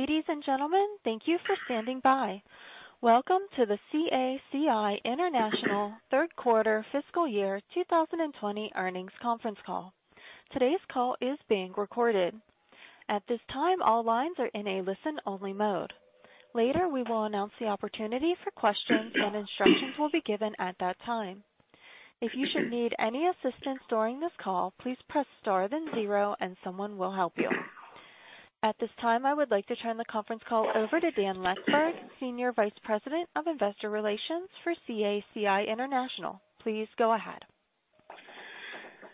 Ladies and gentlemen, thank you for standing by. Welcome to the CACI International Third Quarter Fiscal Year 2020 Earnings Conference Call. Today's call is being recorded. At this time, all lines are in a listen-only mode. Later, we will announce the opportunity for questions, and instructions will be given at that time. If you should need any assistance during this call, please press star then zero, and someone will help you. At this time, I would like to turn the conference call over to Dan Leckburg, Senior Vice President of Investor Relations for CACI International. Please go ahead.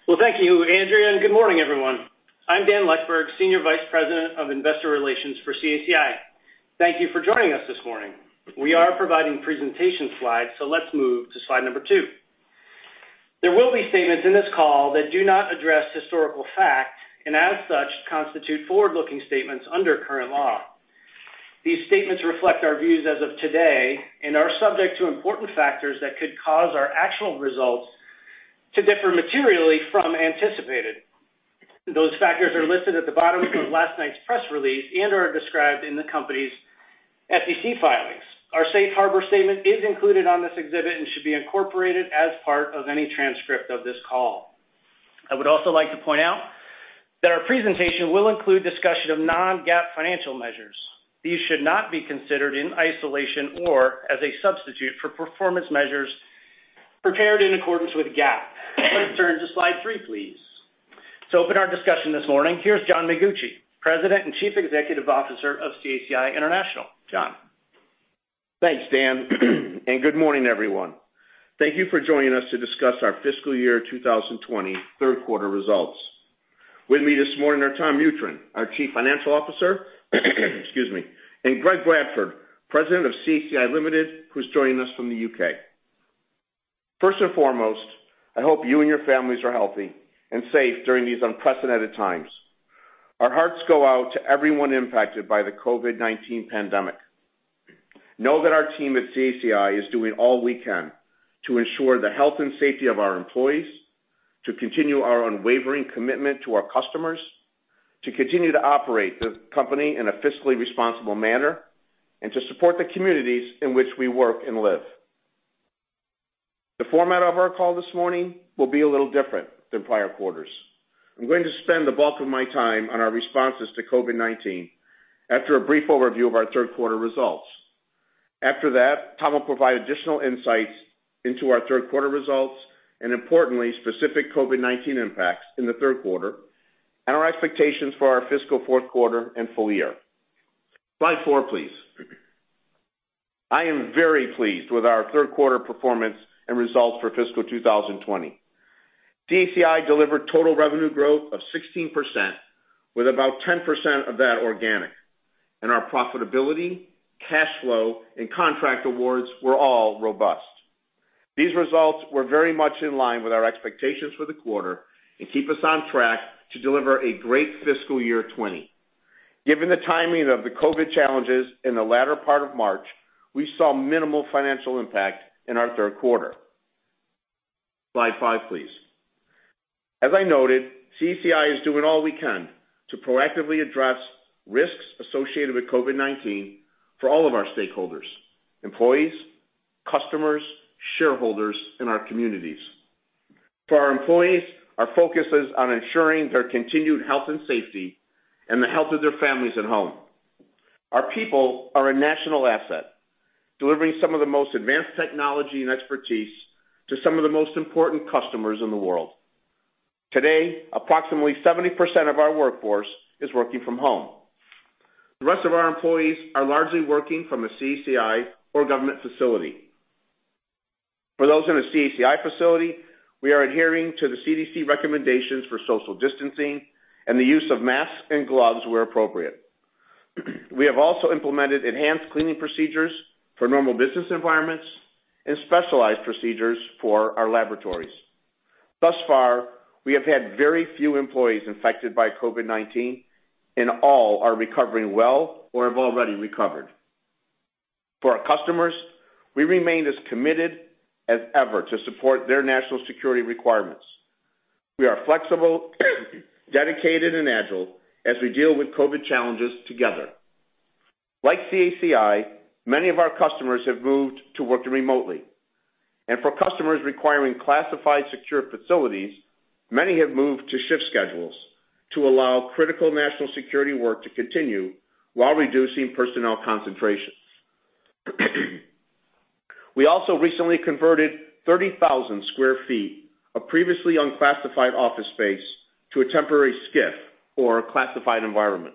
Thank you, Andrea, and good morning, everyone. I'm Dan Leckburg, Senior Vice President of Investor Relations for CACI. Thank you for joining us this morning. We are providing presentation slides, so let's move to slide number two. There will be statements in this call that do not address historical facts and, as such, constitute forward-looking statements under current law. These statements reflect our views as of today and are subject to important factors that could cause our actual results to differ materially from anticipated. Those factors are listed at the bottom of last night's press release and are described in the company's SEC filings. Our safe harbor statement is included on this exhibit and should be incorporated as part of any transcript of this call. I would also like to point out that our presentation will include discussion of non-GAAP financial measures. These should not be considered in isolation or as a substitute for performance measures prepared in accordance with GAAP. Let's turn to slide three, please. To open our discussion this morning, here's John Mengucci, President and Chief Executive Officer of CACI International. John. Thanks, Dan, and good morning, everyone. Thank you for joining us to discuss our fiscal year 2020 third quarter results. With me this morning are Tom Mutryn, our Chief Financial Officer, excuse me, and Greg Bradford, President of CACI Limited, who's joining us from the U.K. First and foremost, I hope you and your families are healthy and safe during these unprecedented times. Our hearts go out to everyone impacted by the COVID-19 pandemic. Know that our team at CACI is doing all we can to ensure the health and safety of our employees, to continue our unwavering commitment to our customers, to continue to operate the company in a fiscally responsible manner, and to support the communities in which we work and live. The format of our call this morning will be a little different than prior quarters. I'm going to spend the bulk of my time on our responses to COVID-19 after a brief overview of our third quarter results. After that, Tom will provide additional insights into our third quarter results and, importantly, specific COVID-19 impacts in the third quarter and our expectations for our fiscal fourth quarter and full year. Slide four, please. I am very pleased with our third quarter performance and results for fiscal 2020. CACI delivered total revenue growth of 16%, with about 10% of that organic, and our profitability, cash flow, and contract awards were all robust. These results were very much in line with our expectations for the quarter and keep us on track to deliver a great fiscal year 2020. Given the timing of the COVID challenges in the latter part of March, we saw minimal financial impact in our third quarter. Slide five, please. As I noted, CACI is doing all we can to proactively address risks associated with COVID-19 for all of our stakeholders: employees, customers, shareholders, and our communities. For our employees, our focus is on ensuring their continued health and safety and the health of their families at home. Our people are a national asset, delivering some of the most advanced technology and expertise to some of the most important customers in the world. Today, approximately 70% of our workforce is working from home. The rest of our employees are largely working from a CACI or government facility. For those in a CACI facility, we are adhering to the CDC recommendations for social distancing and the use of masks and gloves where appropriate. We have also implemented enhanced cleaning procedures for normal business environments and specialized procedures for our laboratories. Thus far, we have had very few employees infected by COVID-19, and all are recovering well or have already recovered. For our customers, we remain as committed as ever to support their national security requirements. We are flexible, dedicated, and agile as we deal with COVID challenges together. Like CACI, many of our customers have moved to work remotely. For customers requiring classified secure facilities, many have moved to shift schedules to allow critical national security work to continue while reducing personnel concentration. We also recently converted 30,000 sq ft of previously unclassified office space to a temporary SCIF or a classified environment.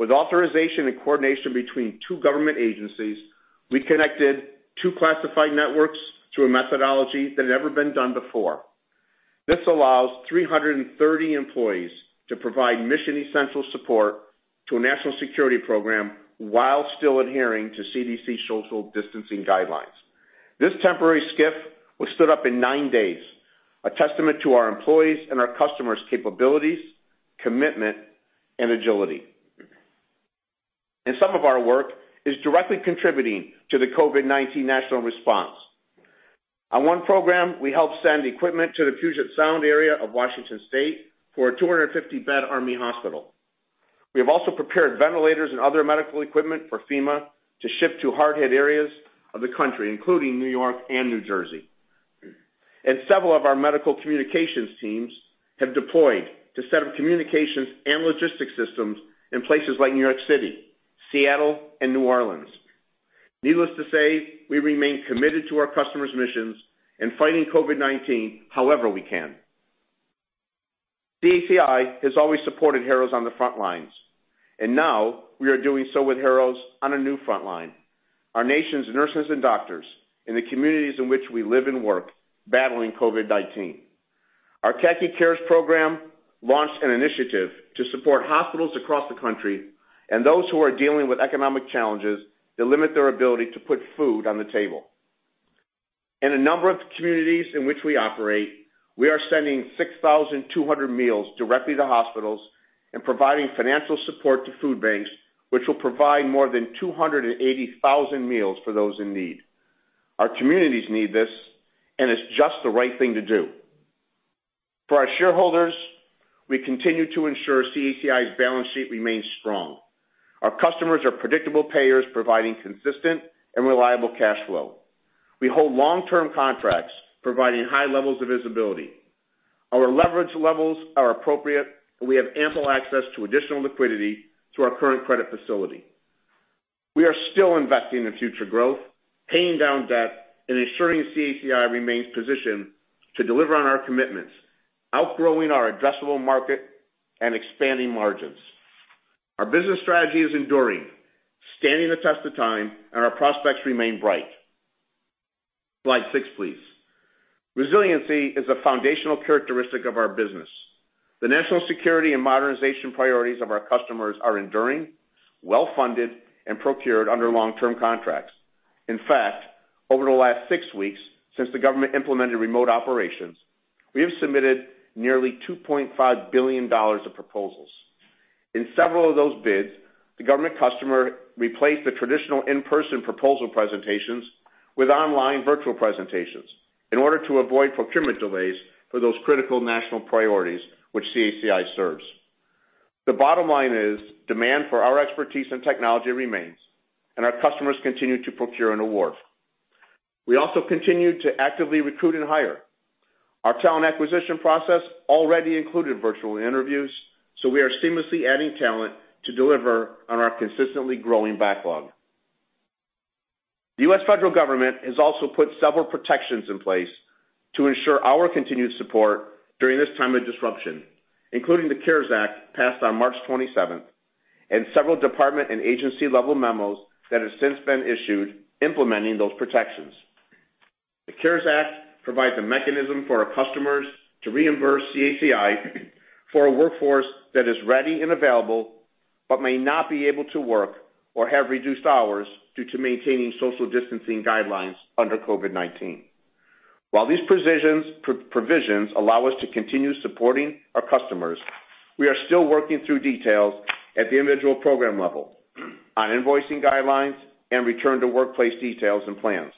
With authorization and coordination between two government agencies, we connected two classified networks through a methodology that had never been done before. This allows 330 employees to provide mission-essential support to a national security program while still adhering to CDC social distancing guidelines. This temporary SCIF was stood up in nine days, a testament to our employees' and our customers' capabilities, commitment, and agility. Some of our work is directly contributing to the COVID-19 national response. On one program, we helped send equipment to the Puget Sound area of Washington State for a 250-bed U.S. Army hospital. We have also prepared ventilators and other medical equipment for FEMA to ship to hard-hit areas of the country, including New York and New Jersey. Several of our medical communications teams have deployed to set up communications and logistics systems in places like New York City, Seattle, and New Orleans. Needless to say, we remain committed to our customers' missions in fighting COVID-19 however we can. CACI has always supported heroes on the front lines, and now we are doing so with heroes on a new front line: our nation's nurses and doctors in the communities in which we live and work, battling COVID-19. Our CACI Cares program launched an initiative to support hospitals across the country and those who are dealing with economic challenges that limit their ability to put food on the table. In a number of communities in which we operate, we are sending 6,200 meals directly to hospitals and providing financial support to food banks, which will provide more than 280,000 meals for those in need. Our communities need this, and it's just the right thing to do. For our shareholders, we continue to ensure CACI's balance sheet remains strong. Our customers are predictable payers providing consistent and reliable cash flow. We hold long-term contracts providing high levels of visibility. Our leverage levels are appropriate, and we have ample access to additional liquidity through our current credit facility. We are still investing in future growth, paying down debt, and ensuring CACI remains positioned to deliver on our commitments, outgrowing our addressable market and expanding margins. Our business strategy is enduring, standing the test of time, and our prospects remain bright. Slide six, please. Resiliency is a foundational characteristic of our business. The national security and modernization priorities of our customers are enduring, well-funded, and procured under long-term contracts. In fact, over the last six weeks since the government implemented remote operations, we have submitted nearly $2.5 billion of proposals. In several of those bids, the government customer replaced the traditional in-person proposal presentations with online virtual presentations in order to avoid procurement delays for those critical national priorities which CACI serves. The bottom line is demand for our expertise and technology remains, and our customers continue to procure and award. We also continue to actively recruit and hire. Our talent acquisition process already included virtual interviews, so we are seamlessly adding talent to deliver on our consistently growing backlog. The U.S. federal government has also put several protections in place to ensure our continued support during this time of disruption, including the CARES Act passed on March 27th and several department and agency-level memos that have since been issued implementing those protections. The CARES Act provides a mechanism for our customers to reimburse CACI for a workforce that is ready and available but may not be able to work or have reduced hours due to maintaining social distancing guidelines under COVID-19. While these provisions allow us to continue supporting our customers, we are still working through details at the individual program level on invoicing guidelines and return-to-workplace details and plans.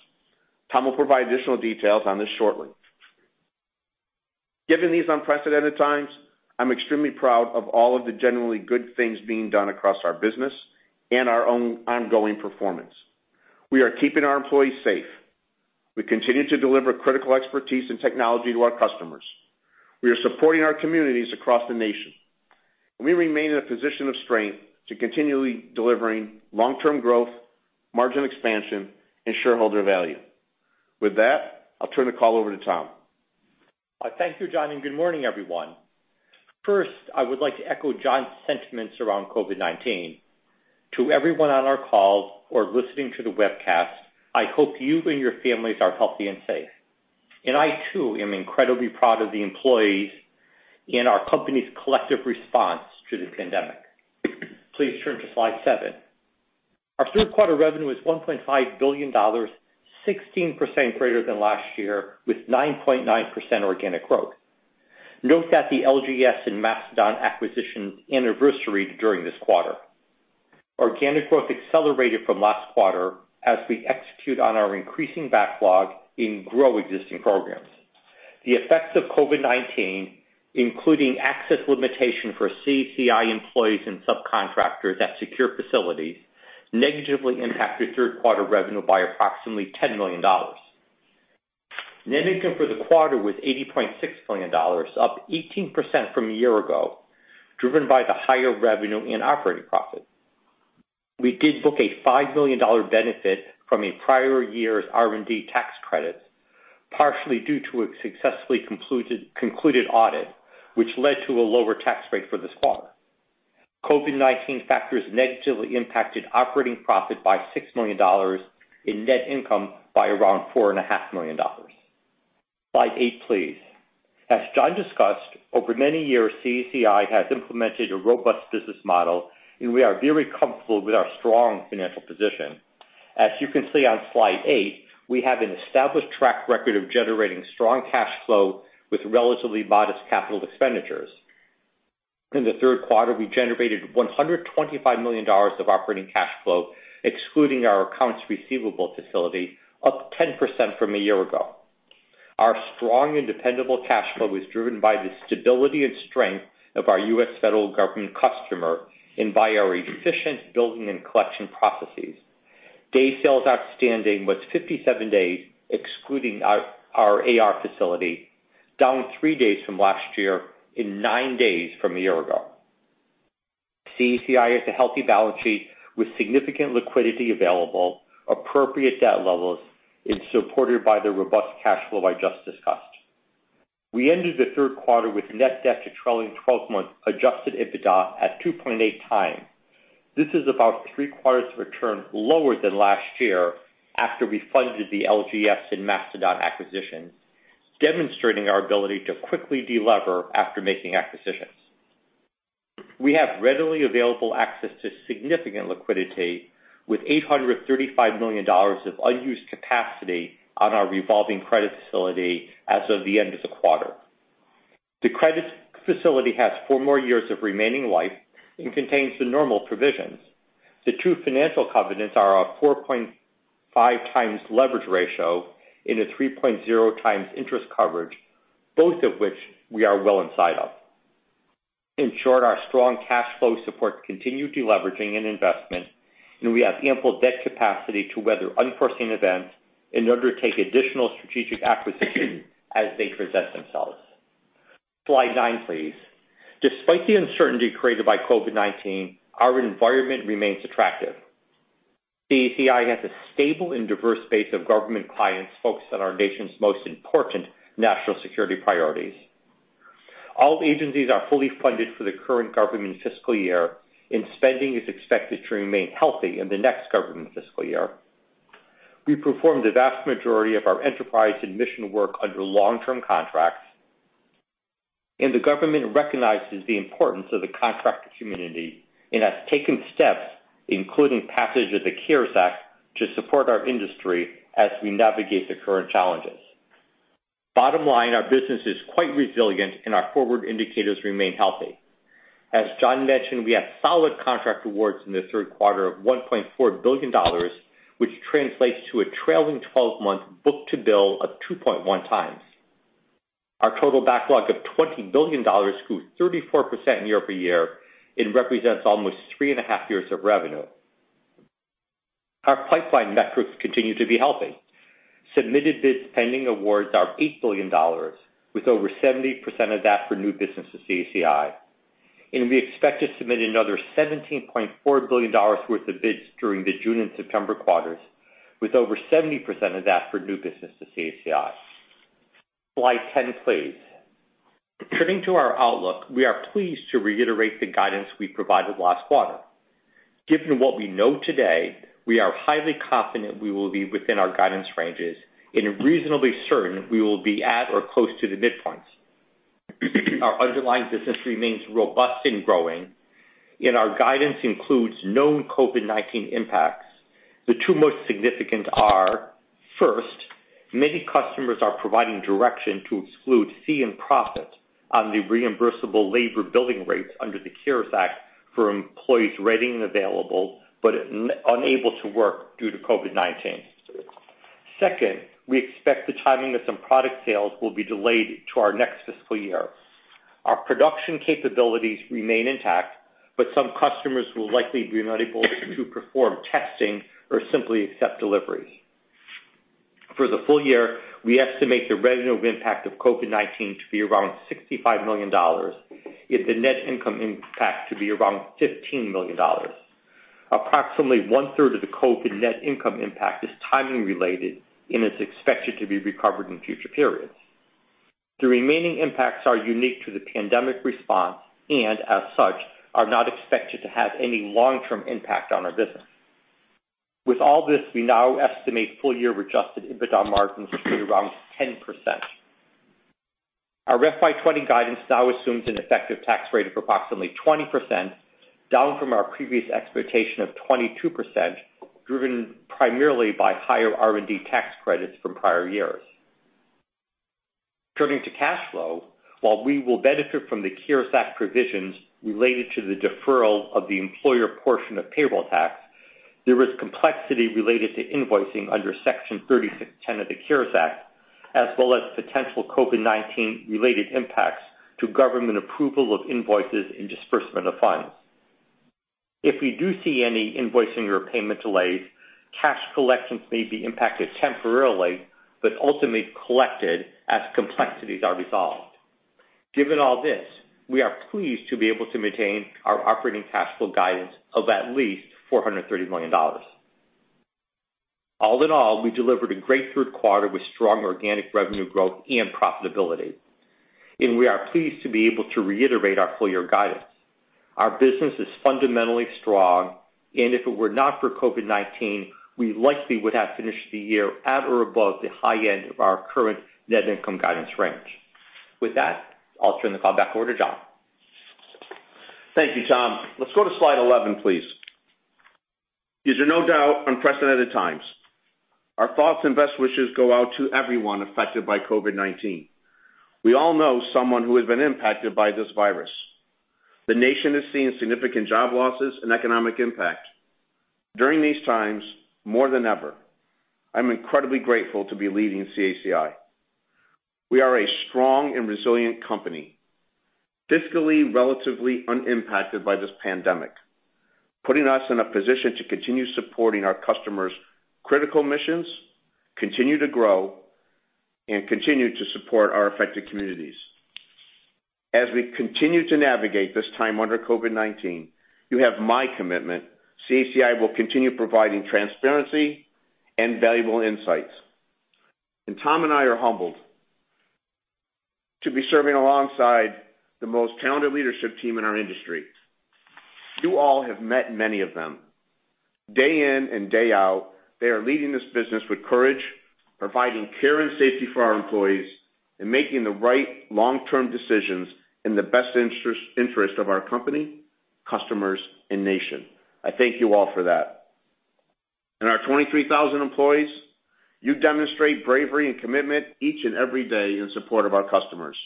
Tom will provide additional details on this shortly. Given these unprecedented times, I'm extremely proud of all of the generally good things being done across our business and our own ongoing performance. We are keeping our employees safe. We continue to deliver critical expertise and technology to our customers. We are supporting our communities across the nation. We remain in a position of strength to continually deliver on long-term growth, margin expansion, and shareholder value. With that, I'll turn the call over to Tom. Thank you, John, and good morning, everyone. First, I would like to echo John's sentiments around COVID-19. To everyone on our call or listening to the webcast, I hope you and your families are healthy and safe. And I, too, am incredibly proud of the employees and our company's collective response to the pandemic. Please turn to slide seven. Our third quarter revenue is $1.5 billion, 16% greater than last year, with 9.9% organic growth. Note that the LGS and Mastodon acquisitions anniversary during this quarter. Organic growth accelerated from last quarter as we execute on our increasing backlog and grow existing programs. The effects of COVID-19, including access limitation for CACI employees and subcontractors at secure facilities, negatively impacted third quarter revenue by approximately $10 million. Net income for the quarter was $80.6 million, up 18% from a year ago, driven by the higher revenue and operating profit. We did book a $5 million benefit from a prior year's R&D tax credits, partially due to a successfully concluded audit, which led to a lower tax rate for this quarter. COVID-19 factors negatively impacted operating profit by $6 million in net income by around $4.5 million. Slide eight, please. As John discussed, over many years, CACI has implemented a robust business model, and we are very comfortable with our strong financial position. As you can see on slide eight, we have an established track record of generating strong cash flow with relatively modest capital expenditures. In the third quarter, we generated $125 million of operating cash flow, excluding our accounts receivable facility, up 10% from a year ago. Our strong and dependable cash flow was driven by the stability and strength of our U.S. federal government customer and by our efficient billing and collection processes. Days sales outstanding was 57 days, excluding our AR facility, down three days from last year and nine days from a year ago. CACI has a healthy balance sheet with significant liquidity available, appropriate debt levels, and supported by the robust cash flow I just discussed. We ended the third quarter with net debt to trailing 12-month adjusted EBITDA at 2.8 times. This is about three quarters of a turn lower than last year after we funded the LGS and Mastodon acquisitions, demonstrating our ability to quickly delever after making acquisitions. We have readily available access to significant liquidity with $835 million of unused capacity on our revolving credit facility as of the end of the quarter. The credit facility has four more years of remaining life and contains the normal provisions. The two financial covenants are a 4.5x leverage ratio and a 3.0x interest coverage, both of which we are well inside of. In short, our strong cash flow supports continued deleveraging and investment, and we have ample debt capacity to weather unforeseen events and undertake additional strategic acquisitions as they present themselves. Slide nine, please. Despite the uncertainty created by COVID-19, our environment remains attractive. CACI has a stable and diverse base of government clients focused on our nation's most important national security priorities. All agencies are fully funded for the current government fiscal year, and spending is expected to remain healthy in the next government fiscal year. We perform the vast majority of our enterprise and mission work under long-term contracts, and the government recognizes the importance of the contract community and has taken steps, including passage of the CARES Act, to support our industry as we navigate the current challenges. Bottom line, our business is quite resilient, and our forward indicators remain healthy. As John mentioned, we have solid contract awards in the third quarter of $1.4 billion, which translates to a trailing 12-month book-to-bill of 2.1x. Our total backlog of $20 billion grew 34% year-over-year and represents almost three and a half years of revenue. Our pipeline metrics continue to be healthy. Submitted bids pending awards are $8 billion, with over 70% of that for new business to CACI. And we expect to submit another $17.4 billion worth of bids during the June and September quarters, with over 70% of that for new business to CACI. Slide 10, please. Turning to our outlook, we are pleased to reiterate the guidance we provided last quarter. Given what we know today, we are highly confident we will be within our guidance ranges and reasonably certain we will be at or close to the midpoint. Our underlying business remains robust and growing, and our guidance includes known COVID-19 impacts. The two most significant are, first, many customers are providing direction to exclude fee and profit on the reimbursable labor billing rates under the CARES Act for employees ready and available but unable to work due to COVID-19. Second, we expect the timing of some product sales will be delayed to our next fiscal year. Our production capabilities remain intact, but some customers will likely be unable to perform testing or simply accept deliveries. For the full year, we estimate the revenue impact of COVID-19 to be around $65 million and the net income impact to be around $15 million. Approximately one-third of the COVID net income impact is timing-related and is expected to be recovered in future periods. The remaining impacts are unique to the pandemic response and, as such, are not expected to have any long-term impact on our business. With all this, we now estimate full-year Adjusted EBITDA margins to be around 10%. Our FY2020 guidance now assumes an effective tax rate of approximately 20%, down from our previous expectation of 22%, driven primarily by higher R&D tax credits from prior years. Turning to cash flow, while we will benefit from the CARES Act provisions related to the deferral of the employer portion of payroll tax, there is complexity related to invoicing under Section 3610 of the CARES Act, as well as potential COVID-19-related impacts to government approval of invoices and disbursement of funds. If we do see any invoicing or payment delays, cash collections may be impacted temporarily but ultimately collected as complexities are resolved. Given all this, we are pleased to be able to maintain our operating cash flow guidance of at least $430 million. All in all, we delivered a great third quarter with strong organic revenue growth and profitability. And we are pleased to be able to reiterate our full-year guidance. Our business is fundamentally strong, and if it were not for COVID-19, we likely would have finished the year at or above the high end of our current net income guidance range. With that, I'll turn the call back over to John. Thank you, Tom. Let's go to slide 11, please. These are no doubt unprecedented times. Our thoughts and best wishes go out to everyone affected by COVID-19. We all know someone who has been impacted by this virus. The nation has seen significant job losses and economic impact. During these times, more than ever, I'm incredibly grateful to be leading CACI. We are a strong and resilient company, fiscally relatively unimpacted by this pandemic, putting us in a position to continue supporting our customers' critical missions, continue to grow, and continue to support our affected communities. As we continue to navigate this time under COVID-19, you have my commitment. CACI will continue providing transparency and valuable insights, and Tom and I are humbled to be serving alongside the most talented leadership team in our industry. You all have met many of them. Day in and day out, they are leading this business with courage, providing care and safety for our employees, and making the right long-term decisions in the best interest of our company, customers, and nation. I thank you all for that, and our 23,000 employees, you demonstrate bravery and commitment each and every day in support of our customers.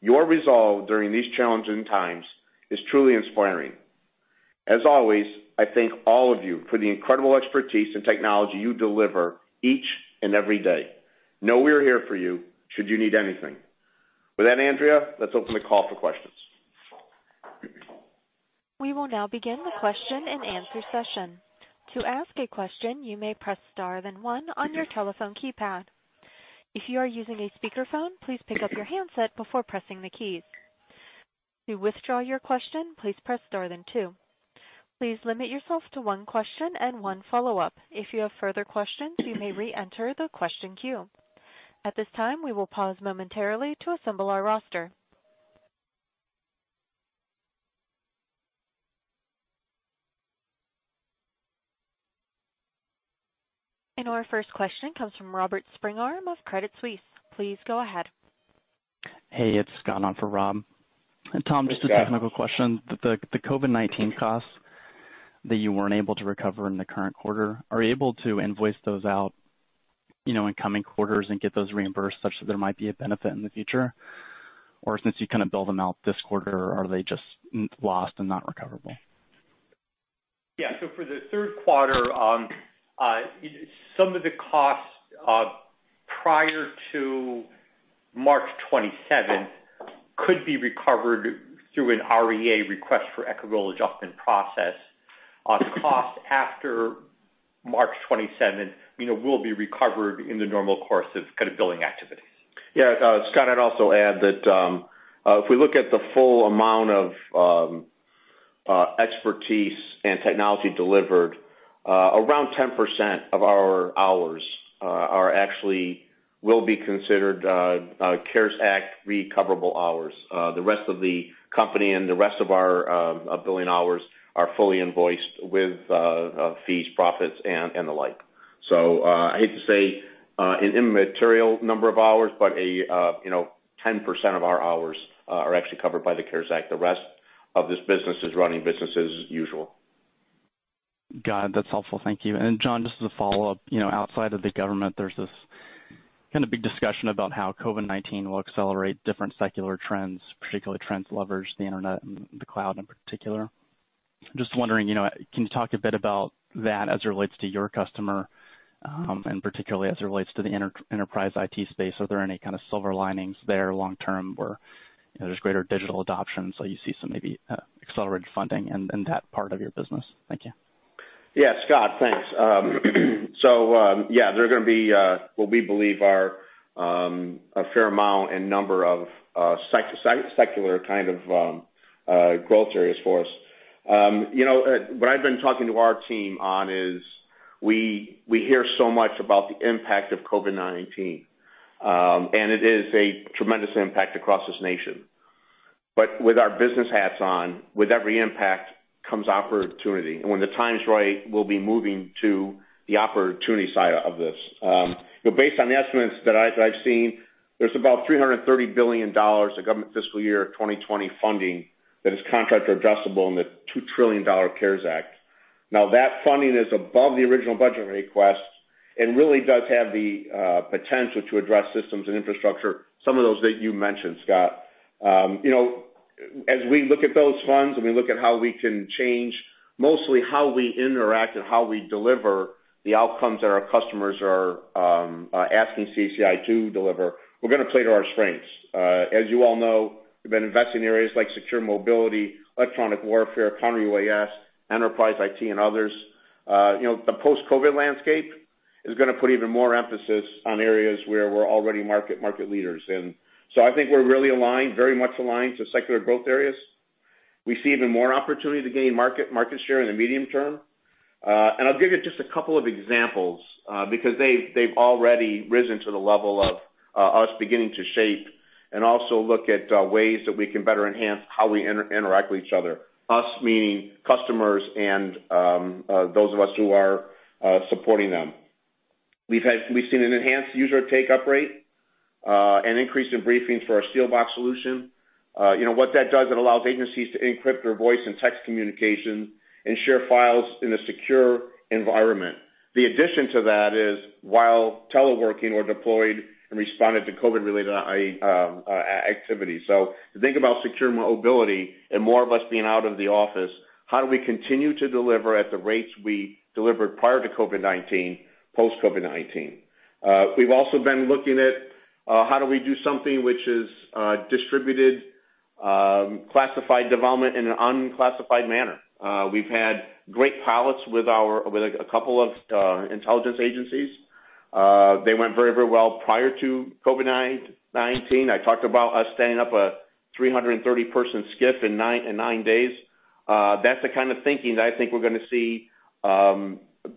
Your resolve during these challenging times is truly inspiring. As always, I thank all of you for the incredible expertise and technology you deliver each and every day. Know we are here for you should you need anything. With that, Andrea, let's open the call for questions. We will now begin the question and answer session. To ask a question, you may press star then one on your telephone keypad. If you are using a speakerphone, please pick up your handset before pressing the keys. To withdraw your question, please press star then two. Please limit yourself to one question and one follow-up. If you have further questions, you may re-enter the question queue. At this time, we will pause momentarily to assemble our roster, and our first question comes from Robert Spingarn of Credit Suisse. Please go ahead. Hey, it's Scott on for Rob. And Tom, just a technical question. The COVID-19 costs that you weren't able to recover in the current quarter, are you able to invoice those out in coming quarters and get those reimbursed such that there might be a benefit in the future? Or since you kind of billed them out this quarter, are they just lost and not recoverable? Yeah. So for the third quarter, some of the costs prior to March 27th could be recovered through an REA request for equitable adjustment process. The cost after March 27th will be recovered in the normal course of billing activities. Yeah. Scott, I'd also add that if we look at the full amount of expertise and technology delivered, around 10% of our hours will be considered CARES Act recoverable hours. The rest of the company and the rest of our billing hours are fully invoiced with fees, profits, and the like. So I hate to say an immaterial number of hours, but 10% of our hours are actually covered by the CARES Act. The rest of this business is running business as usual. Got it. That's helpful. Thank you. And John, just as a follow-up, outside of the government, there's this kind of big discussion about how COVID-19 will accelerate different secular trends, particularly trends leveraged to the internet and the cloud in particular. Just wondering, can you talk a bit about that as it relates to your customer and particularly as it relates to the enterprise IT space? Are there any kind of silver linings there long-term where there's greater digital adoption? So you see some maybe accelerated funding in that part of your business. Thank you. Yeah. Scott, thanks. So yeah, there are going to be what we believe are a fair amount and number of secular kind of growth areas for us. What I've been talking to our team on is we hear so much about the impact of COVID-19, and it is a tremendous impact across this nation. But with our business hats on, with every impact comes opportunity. And when the time is right, we'll be moving to the opportunity side of this. Based on the estimates that I've seen, there's about $330 billion of government fiscal year 2020 funding that is contract adjustable in the $2 trillion CARES Act. Now, that funding is above the original budget request and really does have the potential to address systems and infrastructure, some of those that you mentioned, Scott. As we look at those funds and we look at how we can change mostly how we interact and how we deliver the outcomes that our customers are asking CACI to deliver, we're going to play to our strengths. As you all know, we've been investing in areas like secure mobility, electronic warfare, counter-UAS, enterprise IT, and others. The post-COVID landscape is going to put even more emphasis on areas where we're already market leaders. And so I think we're really aligned, very much aligned to secular growth areas. We see even more opportunity to gain market share in the medium term. I'll give you just a couple of examples because they've already risen to the level of us beginning to shape and also look at ways that we can better enhance how we interact with each other, us meaning customers and those of us who are supporting them. We've seen an enhanced user take-up rate and increase in briefings for our SteelBox solution. What that does, it allows agencies to encrypt their voice and text communications and share files in a secure environment. The addition to that is while teleworking or deployed and responded to COVID-related activities. To think about secure mobility and more of us being out of the office, how do we continue to deliver at the rates we delivered prior to COVID-19, post-COVID-19? We've also been looking at how do we do something which is distributed, classified development in an unclassified manner. We've had great pilots with a couple of intelligence agencies. They went very, very well prior to COVID-19. I talked about us standing up a 330-person SCIF in nine days. That's the kind of thinking that I think we're going to see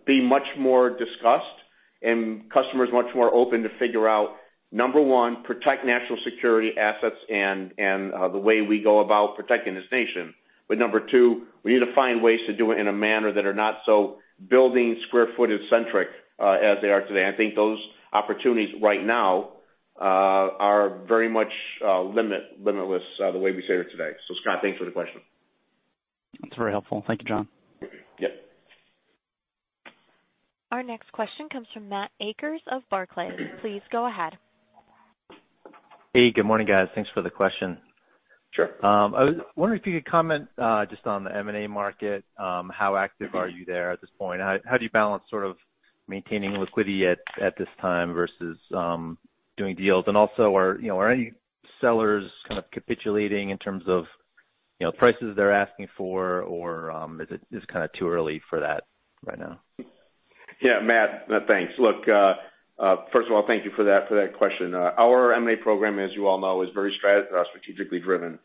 be much more discussed and customers much more open to figure out, number one, protect national security assets and the way we go about protecting this nation. But number two, we need to find ways to do it in a manner that are not so building square footage-centric as they are today. I think those opportunities right now are very much limitless the way we say it today. So Scott, thanks for the question. That's very helpful. Thank you, John. Yep. Our next question comes from Matt Akers of Barclays. Please go ahead. Hey, good morning, guys. Thanks for the question. Sure. I was wondering if you could comment just on the M&A market. How active are you there at this point? How do you balance sort of maintaining liquidity at this time versus doing deals? And also, are any sellers kind of capitulating in terms of prices they're asking for, or is it kind of too early for that right now? Yeah. Matt, thanks. Look, first of all, thank you for that question. Our M&A program, as you all know, is very strategically driven.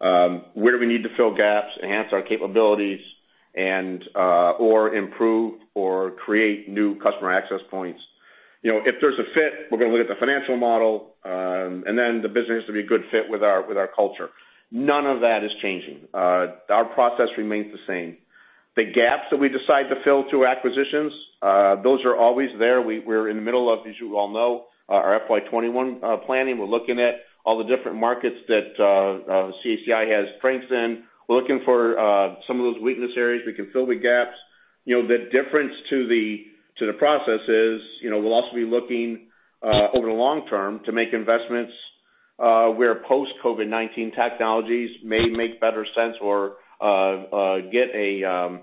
Where do we need to fill gaps, enhance our capabilities, or improve or create new customer access points? If there's a fit, we're going to look at the financial model, and then the business has to be a good fit with our culture. None of that is changing. Our process remains the same. The gaps that we decide to fill through acquisitions, those are always there. We're in the middle of, as you all know, our FY2021 planning. We're looking at all the different markets that CACI has strengths in. We're looking for some of those weakness areas we can fill the gaps. The difference to the process is we'll also be looking over the long term to make investments where post-COVID-19 technologies may make better sense or get a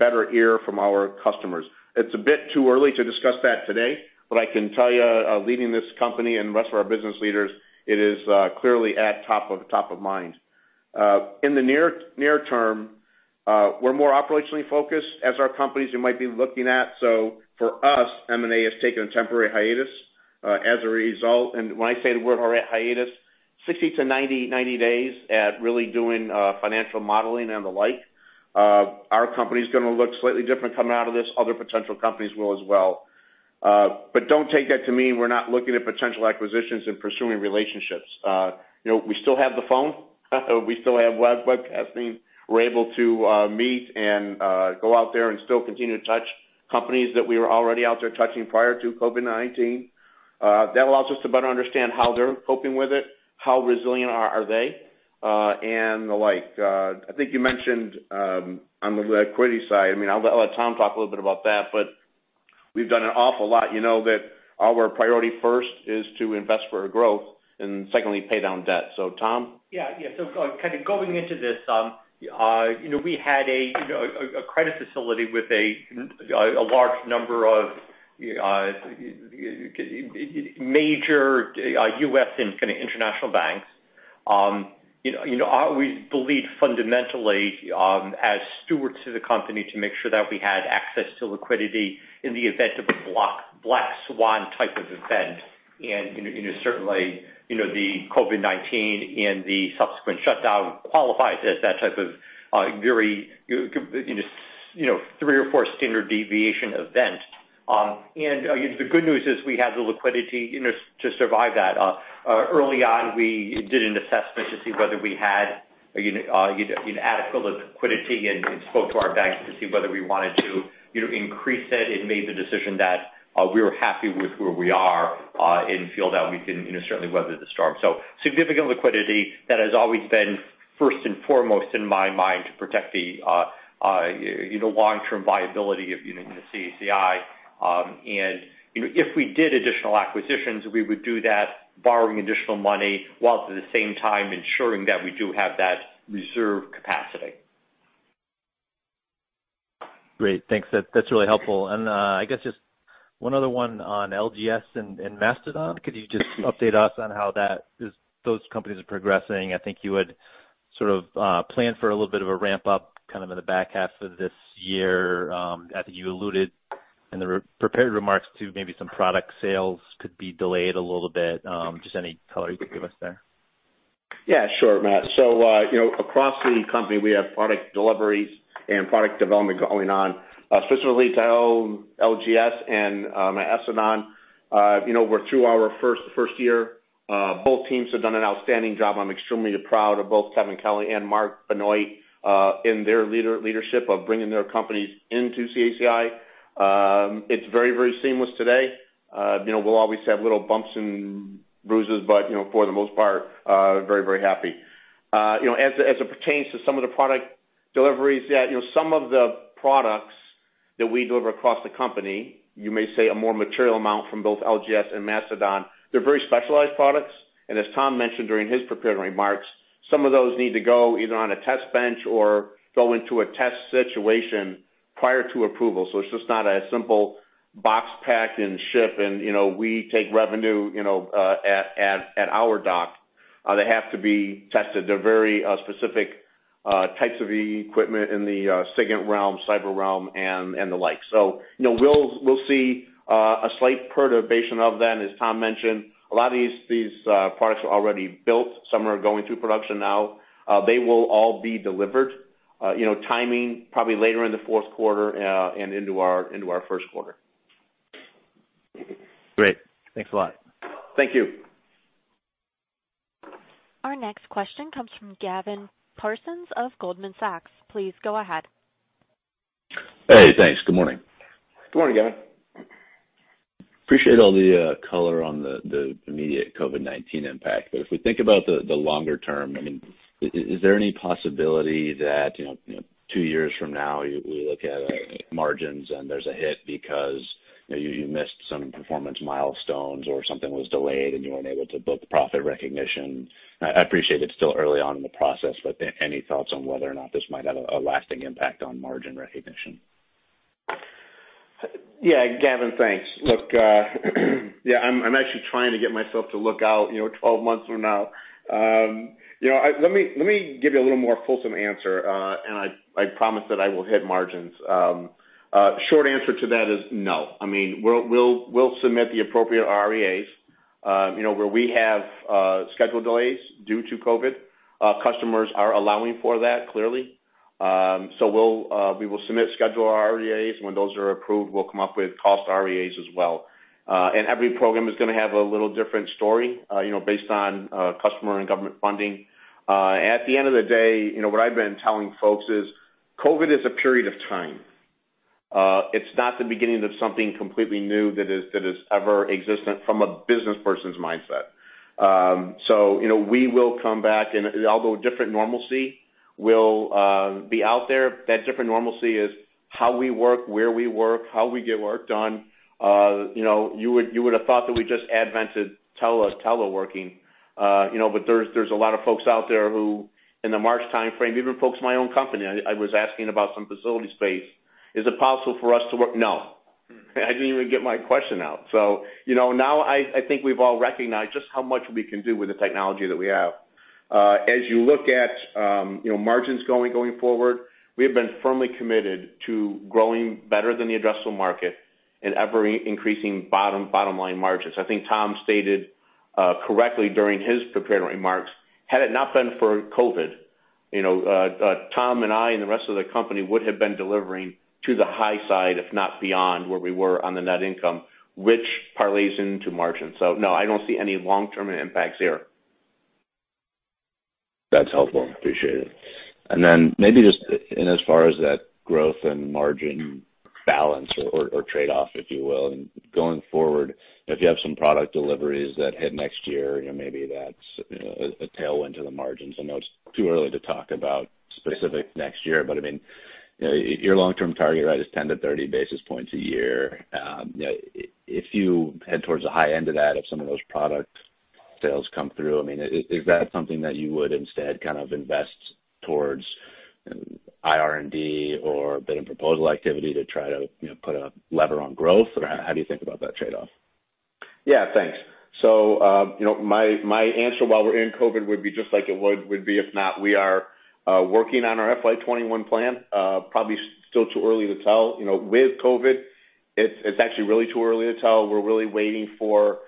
better ear from our customers. It's a bit too early to discuss that today, but I can tell you, leading this company and the rest of our business leaders, it is clearly at top of mind. In the near term, we're more operationally focused as our companies might be looking at. So for us, M&A has taken a temporary hiatus as a result. And when I say the word hiatus, 60-90 days at really doing financial modeling and the like. Our company is going to look slightly different coming out of this. Other potential companies will as well. But don't take that to mean we're not looking at potential acquisitions and pursuing relationships. We still have the phone. We still have webcasting. We're able to meet and go out there and still continue to touch companies that we were already out there touching prior to COVID-19. That allows us to better understand how they're coping with it, how resilient are they, and the like. I think you mentioned on the liquidity side. I mean, I'll let Tom talk a little bit about that, but we've done an awful lot that our priority first is to invest for growth and secondly, pay down debt. So Tom? Yeah. Yeah. So kind of going into this, we had a credit facility with a large number of major U.S. and kind of international banks. We believed fundamentally as stewards to the company to make sure that we had access to liquidity in the event of a black swan type of event. And certainly, the COVID-19 and the subsequent shutdown qualifies as that type of very three or four standard deviation event. And the good news is we had the liquidity to survive that. Early on, we did an assessment to see whether we had adequate liquidity and spoke to our banks to see whether we wanted to increase it and made the decision that we were happy with where we are and feel that we can certainly weather the storm. So significant liquidity that has always been first and foremost in my mind to protect the long-term viability of CACI. And if we did additional acquisitions, we would do that, borrowing additional money while at the same time ensuring that we do have that reserve capacity. Great. Thanks. That's really helpful. And I guess just one other one on LGS and Mastodon. Could you just update us on how those companies are progressing? I think you would sort of plan for a little bit of a ramp-up kind of in the back half of this year. I think you alluded in the prepared remarks to maybe some product sales could be delayed a little bit. Just any color you could give us there. Yeah. Sure, Matt, so across the company, we have product deliveries and product development going on, specifically at LGS and Mastodon. We're through our first year. Both teams have done an outstanding job. I'm extremely proud of both Kevin Kelly and Mark Bennoy in their leadership of bringing their companies into CACI. It's very, very seamless today. We'll always have little bumps and bruises, but for the most part, very, very happy. As it pertains to some of the product deliveries, yeah, some of the products that we deliver across the company, you may say a more material amount from both LGS and Mastodon, they're very specialized products. And as Tom mentioned during his prepared remarks, some of those need to go either on a test bench or go into a test situation prior to approval. So it's just not a simple box packed and ship, and we take revenue at our dock. They have to be tested. They're very specific types of equipment in the SIGINT realm, cyber realm, and the like. So we'll see a slight perturbation of that, as Tom mentioned. A lot of these products are already built. Some are going through production now. They will all be delivered, timing probably later in the fourth quarter and into our first quarter. Great. Thanks a lot. Thank you. Our next question comes from Gavin Parsons of Goldman Sachs. Please go ahead. Hey, thanks. Good morning. Good morning, Gavin. Appreciate all the color on the immediate COVID-19 impact, but if we think about the longer term, I mean, is there any possibility that two years from now we look at margins and there's a hit because you missed some performance milestones or something was delayed and you weren't able to book profit recognition? I appreciate it's still early on in the process, but any thoughts on whether or not this might have a lasting impact on margin recognition? Yeah. Gavin, thanks. Look, yeah, I'm actually trying to get myself to look out 12 months from now. Let me give you a little more fulsome answer, and I promise that I will hit margins. Short answer to that is no. I mean, we'll submit the appropriate REAs where we have scheduled delays due to COVID. Customers are allowing for that clearly. So we will submit scheduled REAs. When those are approved, we'll come up with cost REAs as well. And every program is going to have a little different story based on customer and government funding. At the end of the day, what I've been telling folks is COVID is a period of time. It's not the beginning of something completely new that is ever existent from a business person's mindset. So we will come back, and although a different normalcy will be out there, that different normalcy is how we work, where we work, how we get work done. You would have thought that we just invented teleworking, but there's a lot of folks out there who, in the March timeframe, even folks in my own company, I was asking about some facility space. Is it possible for us to work? No. I didn't even get my question out. So now I think we've all recognized just how much we can do with the technology that we have. As you look at margins going forward, we have been firmly committed to growing better than the addressable market and ever-increasing bottom line margins. I think Tom stated correctly during his prepared remarks. Had it not been for COVID, Tom and I and the rest of the company would have been delivering to the high side, if not beyond where we were on the net income, which parlays into margins. So no, I don't see any long-term impacts here. That's helpful. Appreciate it. And then maybe just in as far as that growth and margin balance or trade-off, if you will, going forward, if you have some product deliveries that hit next year, maybe that's a tailwind to the margins. I know it's too early to talk about specific next year, but I mean, your long-term target, right, is 10-30 basis points a year. If you head towards the high end of that, if some of those product sales come through, I mean, is that something that you would instead kind of invest towards IR&D or bid and proposal activity to try to put a lever on growth? Or how do you think about that trade-off? Yeah. Thanks. So my answer while we're in COVID would be just like it would be, if not, we are working on our FY2021 plan. Probably still too early to tell. With COVID, it's actually really too early to tell. We're really waiting for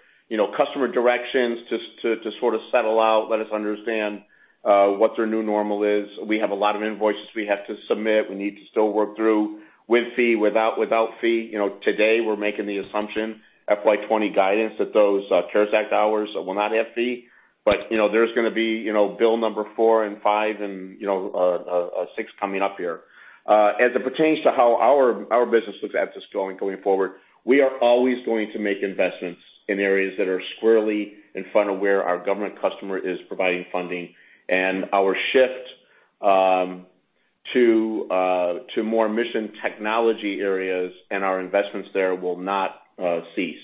customer directions to sort of settle out, let us understand what their new normal is. We have a lot of invoices we have to submit. We need to still work through with fee, without fee. Today, we're making the assumption, FY2020 guidance, that those CARES Act hours will not have fee, but there's going to be bill number four and five and six coming up here. As it pertains to how our business looks at this going forward, we are always going to make investments in areas that are squarely in front of where our government customer is providing funding. Our shift to more mission technology areas and our investments there will not cease.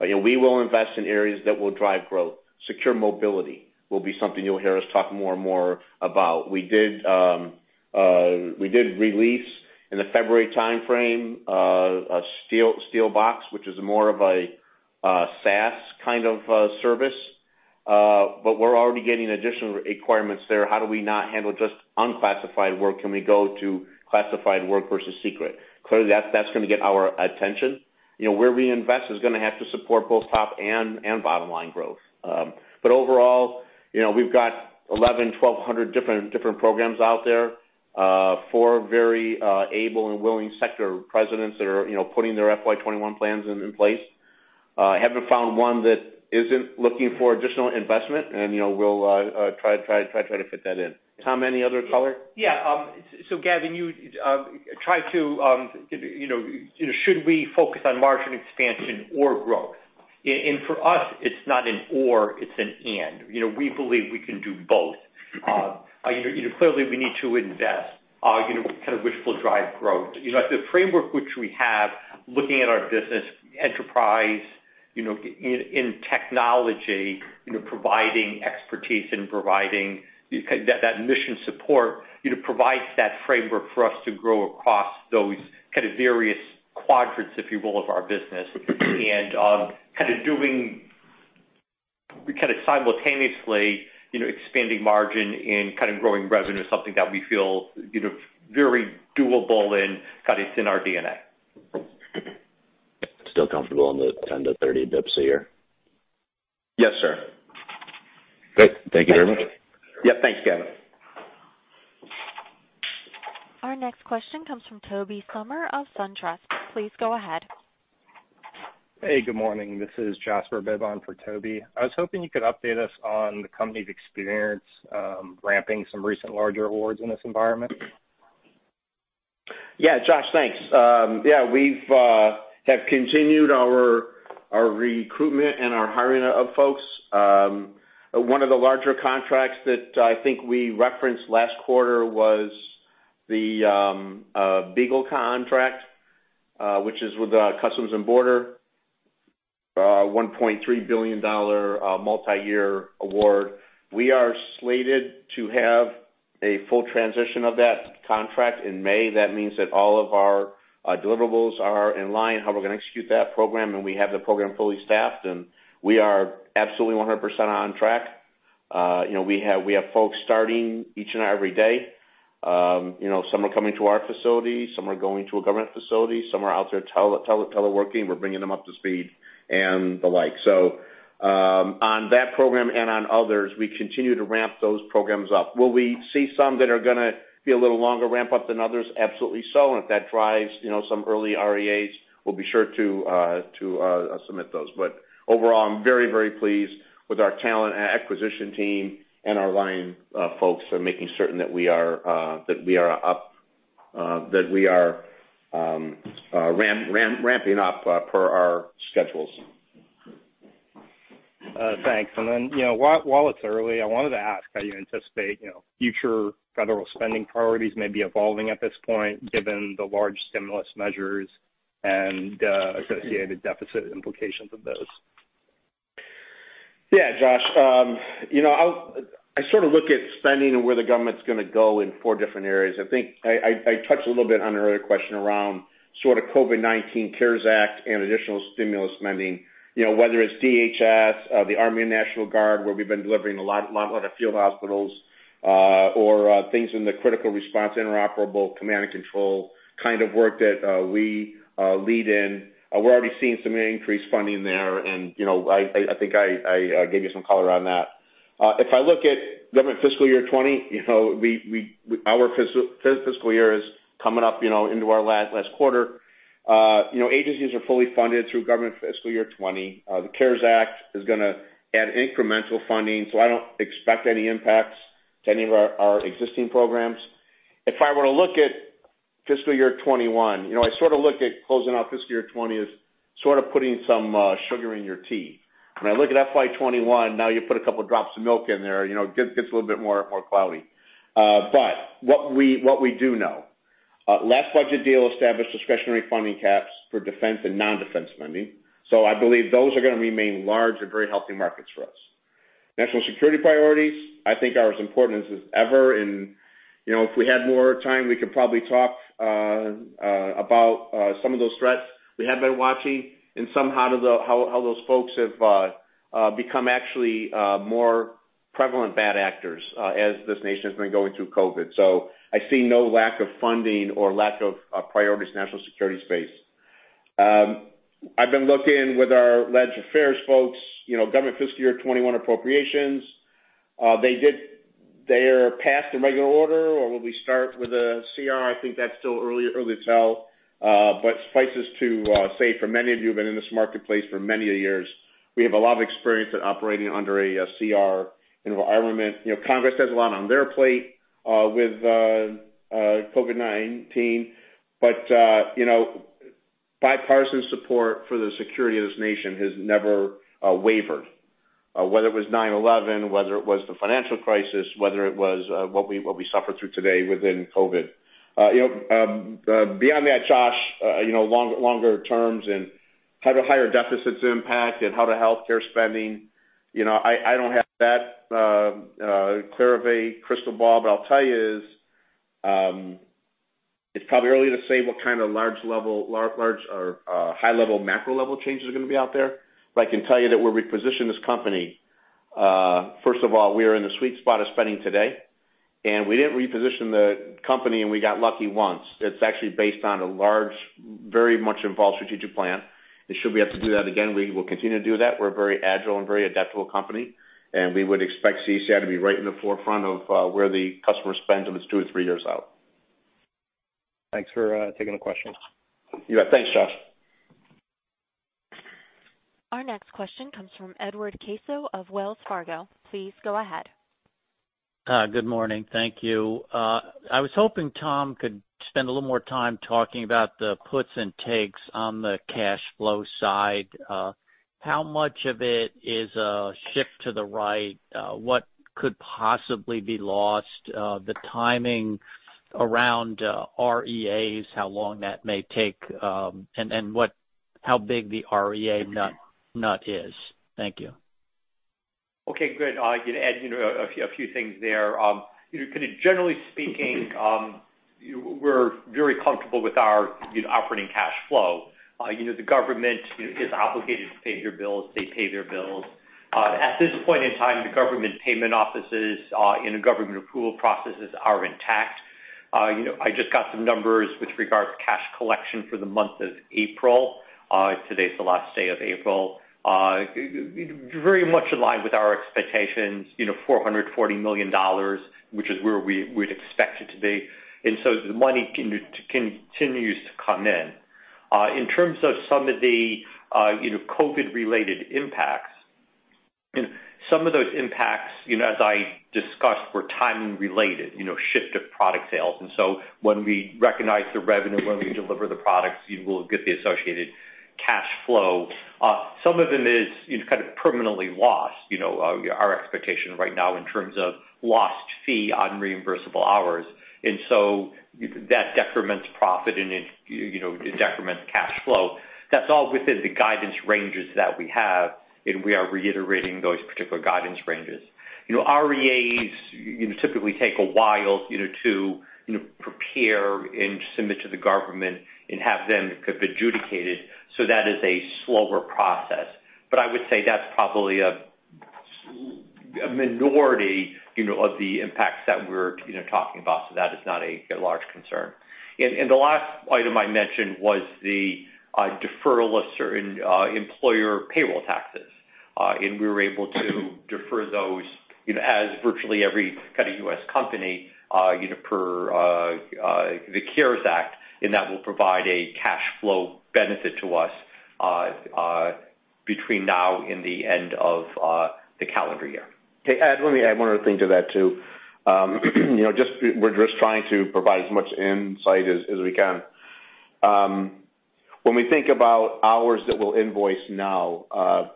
We will invest in areas that will drive growth. Secure mobility will be something you'll hear us talk more and more about. We did release in the February timeframe a SteelBox, which is more of a SaaS kind of service, but we're already getting additional requirements there. How do we not handle just unclassified work? Can we go to classified work versus secret? Clearly, that's going to get our attention. Where we invest is going to have to support both top and bottom line growth. But overall, we've got 1,100-1,200 different programs out there, four very able and willing sector presidents that are putting their FY2021 plans in place. Haven't found one that isn't looking for additional investment, and we'll try to fit that in. Tom, any other color? Yeah. So Gavin, you asked, should we focus on margin expansion or growth? For us, it's not an or. It's an and. We believe we can do both. Clearly, we need to invest, kind of which will drive growth. The framework which we have, looking at our business, Enterprise IT, providing expertise and providing that mission support, provides that framework for us to grow across those kind of various quadrants, if you will, of our business. Kind of doing kind of simultaneously expanding margin and kind of growing revenue is something that we feel very doable and kind of it's in our DNA. Still comfortable on the 10-30 basis points a year? Yes, sir. Great. Thank you very much. Yep. Thanks, Gavin. Our next question comes from Tobey Sommer of SunTrust. Please go ahead. Hey, good morning. This is Jasper Bibb on for Tobey. I was hoping you could update us on the company's experience ramping some recent larger awards in this environment. Yeah. Jasper, thanks. Yeah. We have continued our recruitment and our hiring of folks. One of the larger contracts that I think we referenced last quarter was the BEAGLE contract, which is with Customs and Border, $1.3 billion multi-year award. We are slated to have a full transition of that contract in May. That means that all of our deliverables are in line, how we're going to execute that program, and we have the program fully staffed, and we are absolutely 100% on track. We have folks starting each and every day. Some are coming to our facility. Some are going to a government facility. Some are out there teleworking. We're bringing them up to speed and the like. So on that program and on others, we continue to ramp those programs up. Will we see some that are going to be a little longer ramp up than others? Absolutely so. And if that drives some early REAs, we'll be sure to submit those. But overall, I'm very, very pleased with our talent acquisition team and our line folks and making certain that we are up, that we are ramping up per our schedules. Thanks. And then while it's early, I wanted to ask, how do you anticipate future federal spending priorities may be evolving at this point given the large stimulus measures and associated deficit implications of those? Yeah, Jasper. I sort of look at spending and where the government's going to go in four different areas. I think I touched a little bit on an earlier question around sort of COVID-19 CARES Act and additional stimulus spending, whether it's DHS, the Army and National Guard, where we've been delivering a lot of field hospitals, or things in the critical response interoperable command and control kind of work that we lead in. We're already seeing some increased funding there, and I think I gave you some color on that. If I look at government fiscal year 2020, our fiscal year is coming up into our last quarter. Agencies are fully funded through government fiscal year 2020. The CARES Act is going to add incremental funding, so I don't expect any impacts to any of our existing programs. If I were to look at fiscal year 2021, I sort of look at closing out fiscal year 2020 as sort of putting some sugar in your tea. When I look at FY 2021, now you put a couple of drops of milk in there, it gets a little bit more cloudy, but what we do know, last budget deal established discretionary funding caps for defense and non-defense spending. So I believe those are going to remain large and very healthy markets for us. National security priorities, I think are as important as ever. And if we had more time, we could probably talk about some of those threats we have been watching and somehow how those folks have become actually more prevalent bad actors as this nation has been going through COVID. So I see no lack of funding or lack of priorities in national security space. I've been looking with our legal affairs folks, government fiscal year 2021 appropriations. Are they past the regular order, or will we start with a CR? I think that's still early to tell. But suffice it to say, for many of you who have been in this marketplace for many years, we have a lot of experience in operating under a CR environment. Congress has a lot on their plate with COVID-19, but bipartisan support for the security of this nation has never wavered, whether it was 9/11, whether it was the financial crisis, whether it was what we suffered through today with COVID. Beyond that, Jasper, longer terms and how do higher deficits impact and how do healthcare spending? I don't have that clear of a crystal ball, but I'll tell you it's probably early to say what kind of large level, high level, macro level changes are going to be out there. But I can tell you that where we position this company, first of all, we are in the sweet spot of spending today. And we didn't reposition the company, and we got lucky once. It's actually based on a large, very much involved strategic plan. And should we have to do that again, we will continue to do that. We're a very agile and very adaptable company, and we would expect CACI to be right in the forefront of where the customer spends in the two to three years out. Thanks for taking the question. You bet. Thanks, Jasper. Our next question comes from Edward Caso of Wells Fargo. Please go ahead. Good morning. Thank you. I was hoping Tom could spend a little more time talking about the puts and takes on the cash flow side. How much of it is a shift to the right? What could possibly be lost? The timing around REAs, how long that may take, and how big the REA nut is? Thank you. Okay. Good. I'll add a few things there. Kind of generally speaking, we're very comfortable with our operating cash flow. The government is obligated to pay their bills. They pay their bills. At this point in time, the government payment offices and the government approval processes are intact. I just got some numbers with regards to cash collection for the month of April. Today's the last day of April. Very much aligned with our expectations, $440 million, which is where we would expect it to be, and so the money continues to come in. In terms of some of the COVID-related impacts, some of those impacts, as I discussed, were timing related, shift of product sales, and so when we recognize the revenue, when we deliver the products, we'll get the associated cash flow. Some of them is kind of permanently lost. Our expectation right now in terms of lost fee on reimbursable hours, and so that decrements profit and decrements cash flow. That's all within the guidance ranges that we have, and we are reiterating those particular guidance ranges. REAs typically take a while to prepare and submit to the government and have them be adjudicated, so that is a slower process. But I would say that's probably a minority of the impacts that we're talking about, so that is not a large concern. The last item I mentioned was the deferral of certain employer payroll taxes, and we were able to defer those as virtually every kind of U.S. company per the CARES Act, and that will provide a cash flow benefit to us between now and the end of the calendar year. Okay. Add one thing I wanted to think of that too. Just, we're just trying to provide as much insight as we can. When we think about hours that we'll invoice now,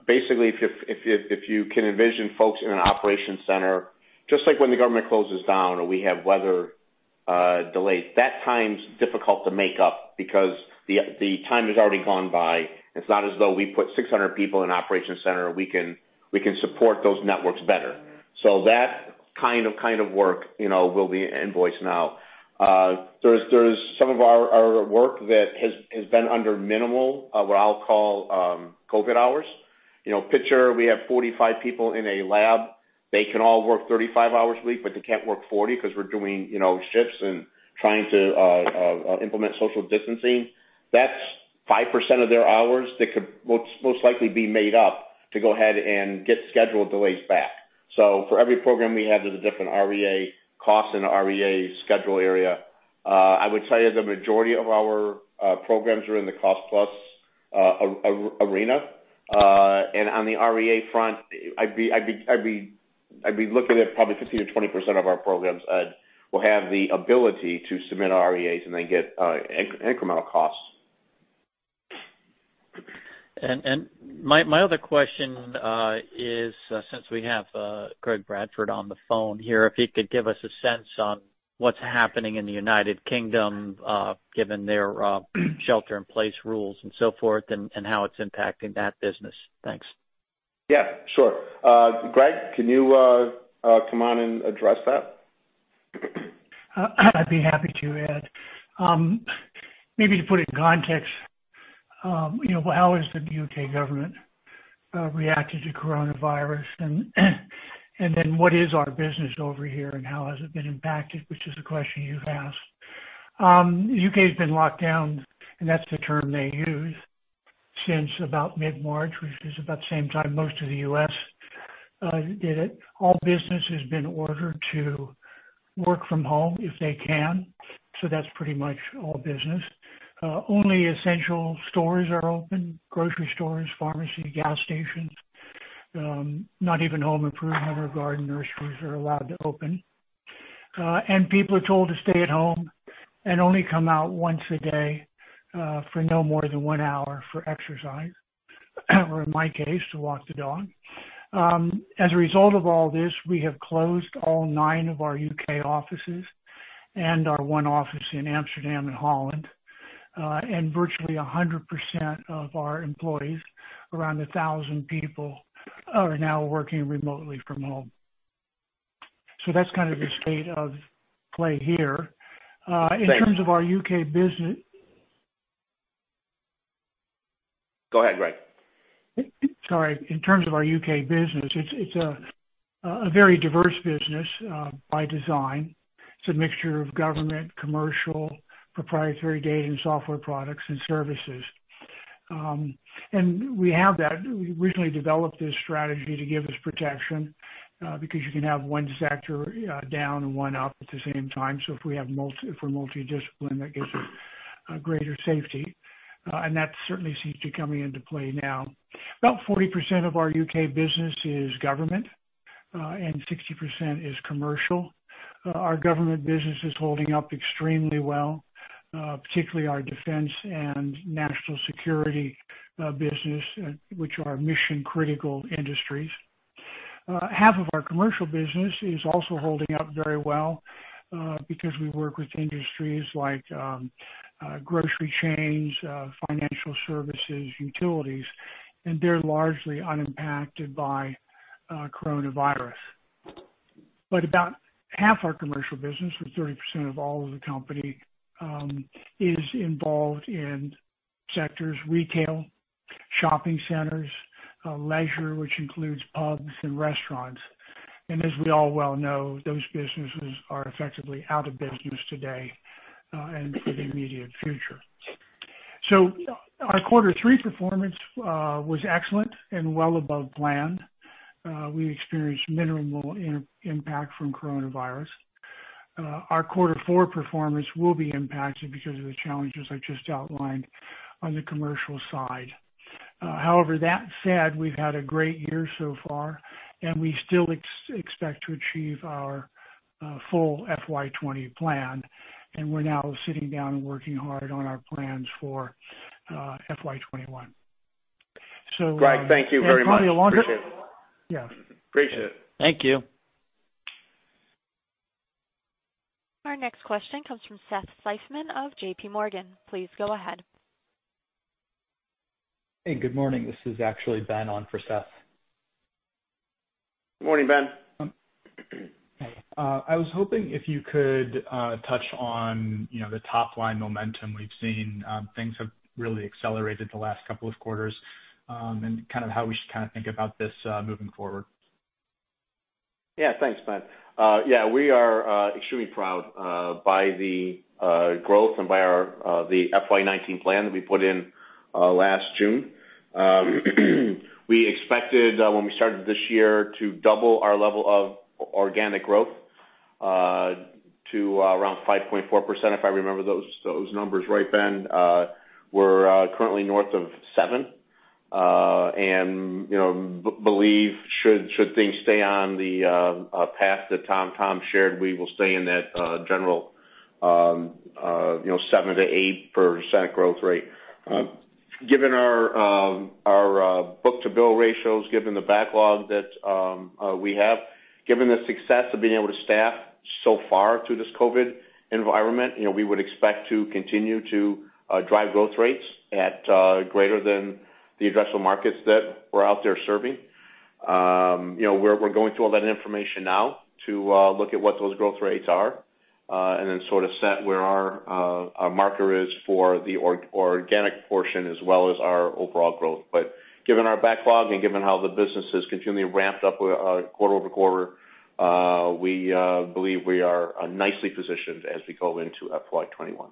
basically, if you can envision folks in an operations center, just like when the government closes down or we have weather delays, that time's difficult to make up because the time has already gone by. It's not as though we put 600 people in an operations center. We can support those networks better. So that kind of work will be invoiced now. There's some of our work that has been under minimal, what I'll call COVID hours. Picture, we have 45 people in a lab. They can all work 35 hours a week, but they can't work 40 because we're doing shifts and trying to implement social distancing. That's 5% of their hours that could most likely be made up to go ahead and get schedule delays back. So for every program we have, there's a different REA cost and REA schedule area. I would tell you the majority of our programs are in the cost-plus arena. And on the REA front, I'd be looking at probably 15%-20% of our programs will have the ability to submit REAs and then get incremental costs. My other question is, since we have Greg Bradford on the phone here, if he could give us a sense on what's happening in the United Kingdom given their shelter-in-place rules and so forth and how it's impacting that business. Thanks. Yeah. Sure. Greg, can you come on and address that? I'd be happy to add. Maybe to put it in context, how has the U.K. government reacted to coronavirus? And then what is our business over here, and how has it been impacted, which is the question you've asked? The U.K. has been locked down, and that's the term they use, since about mid-March, which is about the same time most of the U.S. did it. All business has been ordered to work from home if they can. So that's pretty much all business. Only essential stores are open: grocery stores, pharmacy, gas stations. Not even home improvement or garden nurseries are allowed to open. And people are told to stay at home and only come out once a day for no more than one hour for exercise, or in my case, to walk the dog. As a result of all this, we have closed all nine of our U.K. offices and our one office in Amsterdam and Holland, and virtually 100% of our employees, around 1,000 people, are now working remotely from home, so that's kind of the state of play here, in terms of our U.K. business. Go ahead, Greg. Sorry. In terms of our U.K. business, it's a very diverse business by design. It's a mixture of government, commercial, proprietary data, and software products and services. And we have that. We originally developed this strategy to give us protection because you can have one sector down and one up at the same time. So if we have multiple multidiscipline, that gives us greater safety. And that certainly seems to be coming into play now. About 40% of our U.K. business is government, and 60% is commercial. Our government business is holding up extremely well, particularly our defense and national security business, which are mission-critical industries. Half of our commercial business is also holding up very well because we work with industries like grocery chains, financial services, utilities, and they're largely unimpacted by coronavirus. But about half our commercial business, or 30% of all of the company, is involved in sectors: retail, shopping centers, leisure, which includes pubs and restaurants. And as we all well know, those businesses are effectively out of business today and for the immediate future. So our quarter three performance was excellent and well above planned. We experienced minimal impact from coronavirus. Our quarter four performance will be impacted because of the challenges I just outlined on the commercial side. However, that said, we've had a great year so far, and we still expect to achieve our full FY2020 plan. And we're now sitting down and working hard on our plans for FY2021. So. Greg, thank you very much. Appreciate it. Appreciate it. Thank you. Our next question comes from Seth Seifman of JPMorgan. Please go ahead. Hey, good morning. This is actually Ben on for Seth. Good morning, Ben. I was hoping if you could touch on the top-line momentum we've seen? Things have really accelerated the last couple of quarters and kind of how we should kind of think about this moving forward. Yeah. Thanks, Ben. Yeah. We are extremely proud by the growth and by our FY2019 plan that we put in last June. We expected, when we started this year, to double our level of organic growth to around 5.4%, if I remember those numbers right, Ben. We're currently north of 7% and believe should things stay on the path that Tom shared, we will stay in that general 7%-8% growth rate. Given our Book-to-Bill ratios, given the backlog that we have, given the success of being able to staff so far through this COVID environment, we would expect to continue to drive growth rates at greater than the addressable markets that we're out there serving. We're going through all that information now to look at what those growth rates are and then sort of set where our marker is for the organic portion as well as our overall growth. But given our backlog and given how the business has continually ramped up quarter over quarter, we believe we are nicely positioned as we go into FY2021.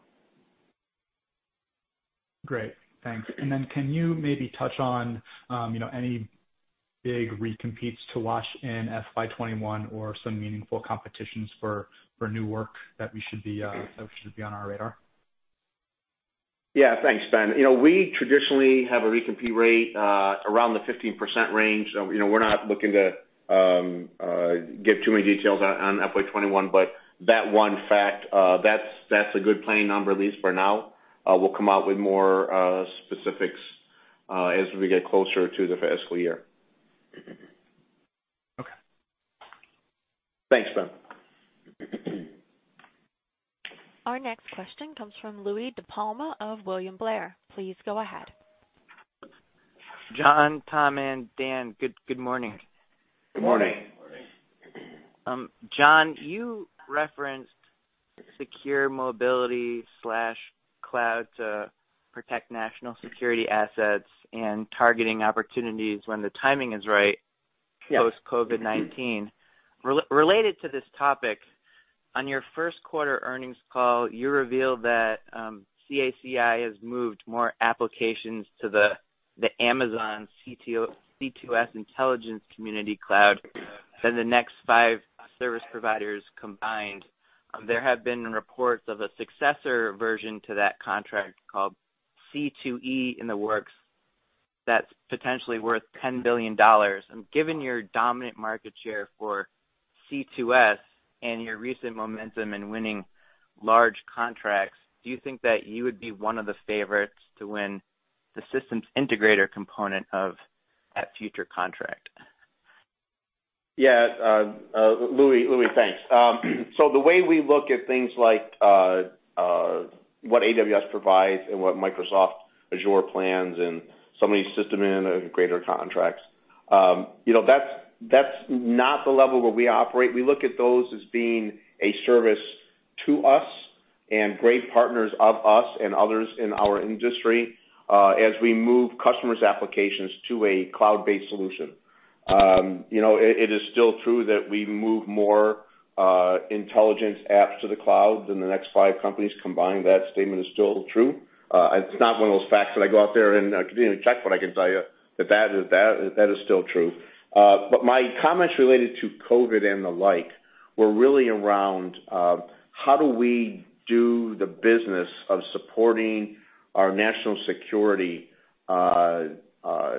Great. Thanks. And then can you maybe touch on any big recompetes to watch in FY2021 or some meaningful competitions for new work that we should be on our radar? Yeah. Thanks, Ben. We traditionally have a recompete rate around the 15% range. We're not looking to give too many details on FY2021, but that one fact, that's a good planning number at least for now. We'll come out with more specifics as we get closer to the fiscal year. Okay. Thanks, Ben. Our next question comes from Louie DiPalma of William Blair. Please go ahead. John, Tom, and Dan, good morning. Good morning. Morning. John, you referenced secure mobility/cloud to protect national security assets and targeting opportunities when the timing is right post-COVID-19. Related to this topic, on your first quarter earnings call, you revealed that CACI has moved more applications to the Amazon C2S Intelligence Community Cloud than the next five service providers combined. There have been reports of a successor version to that contract called C2E in the works that's potentially worth $10 billion. Given your dominant market share for C2S and your recent momentum in winning large contracts, do you think that you would be one of the favorites to win the systems integrator component of that future contract? Yeah. Louis, thanks. So the way we look at things like what AWS provides and what Microsoft Azure plans and some of these system integrator contracts, that's not the level where we operate. We look at those as being a service to us and great partners of us and others in our industry as we move customers' applications to a cloud-based solution. It is still true that we move more intelligence apps to the cloud than the next five companies combined. That statement is still true. It's not one of those facts that I go out there and continue to check, but I can tell you that that is still true. But my comments related to COVID and the like were really around how do we do the business of supporting our national security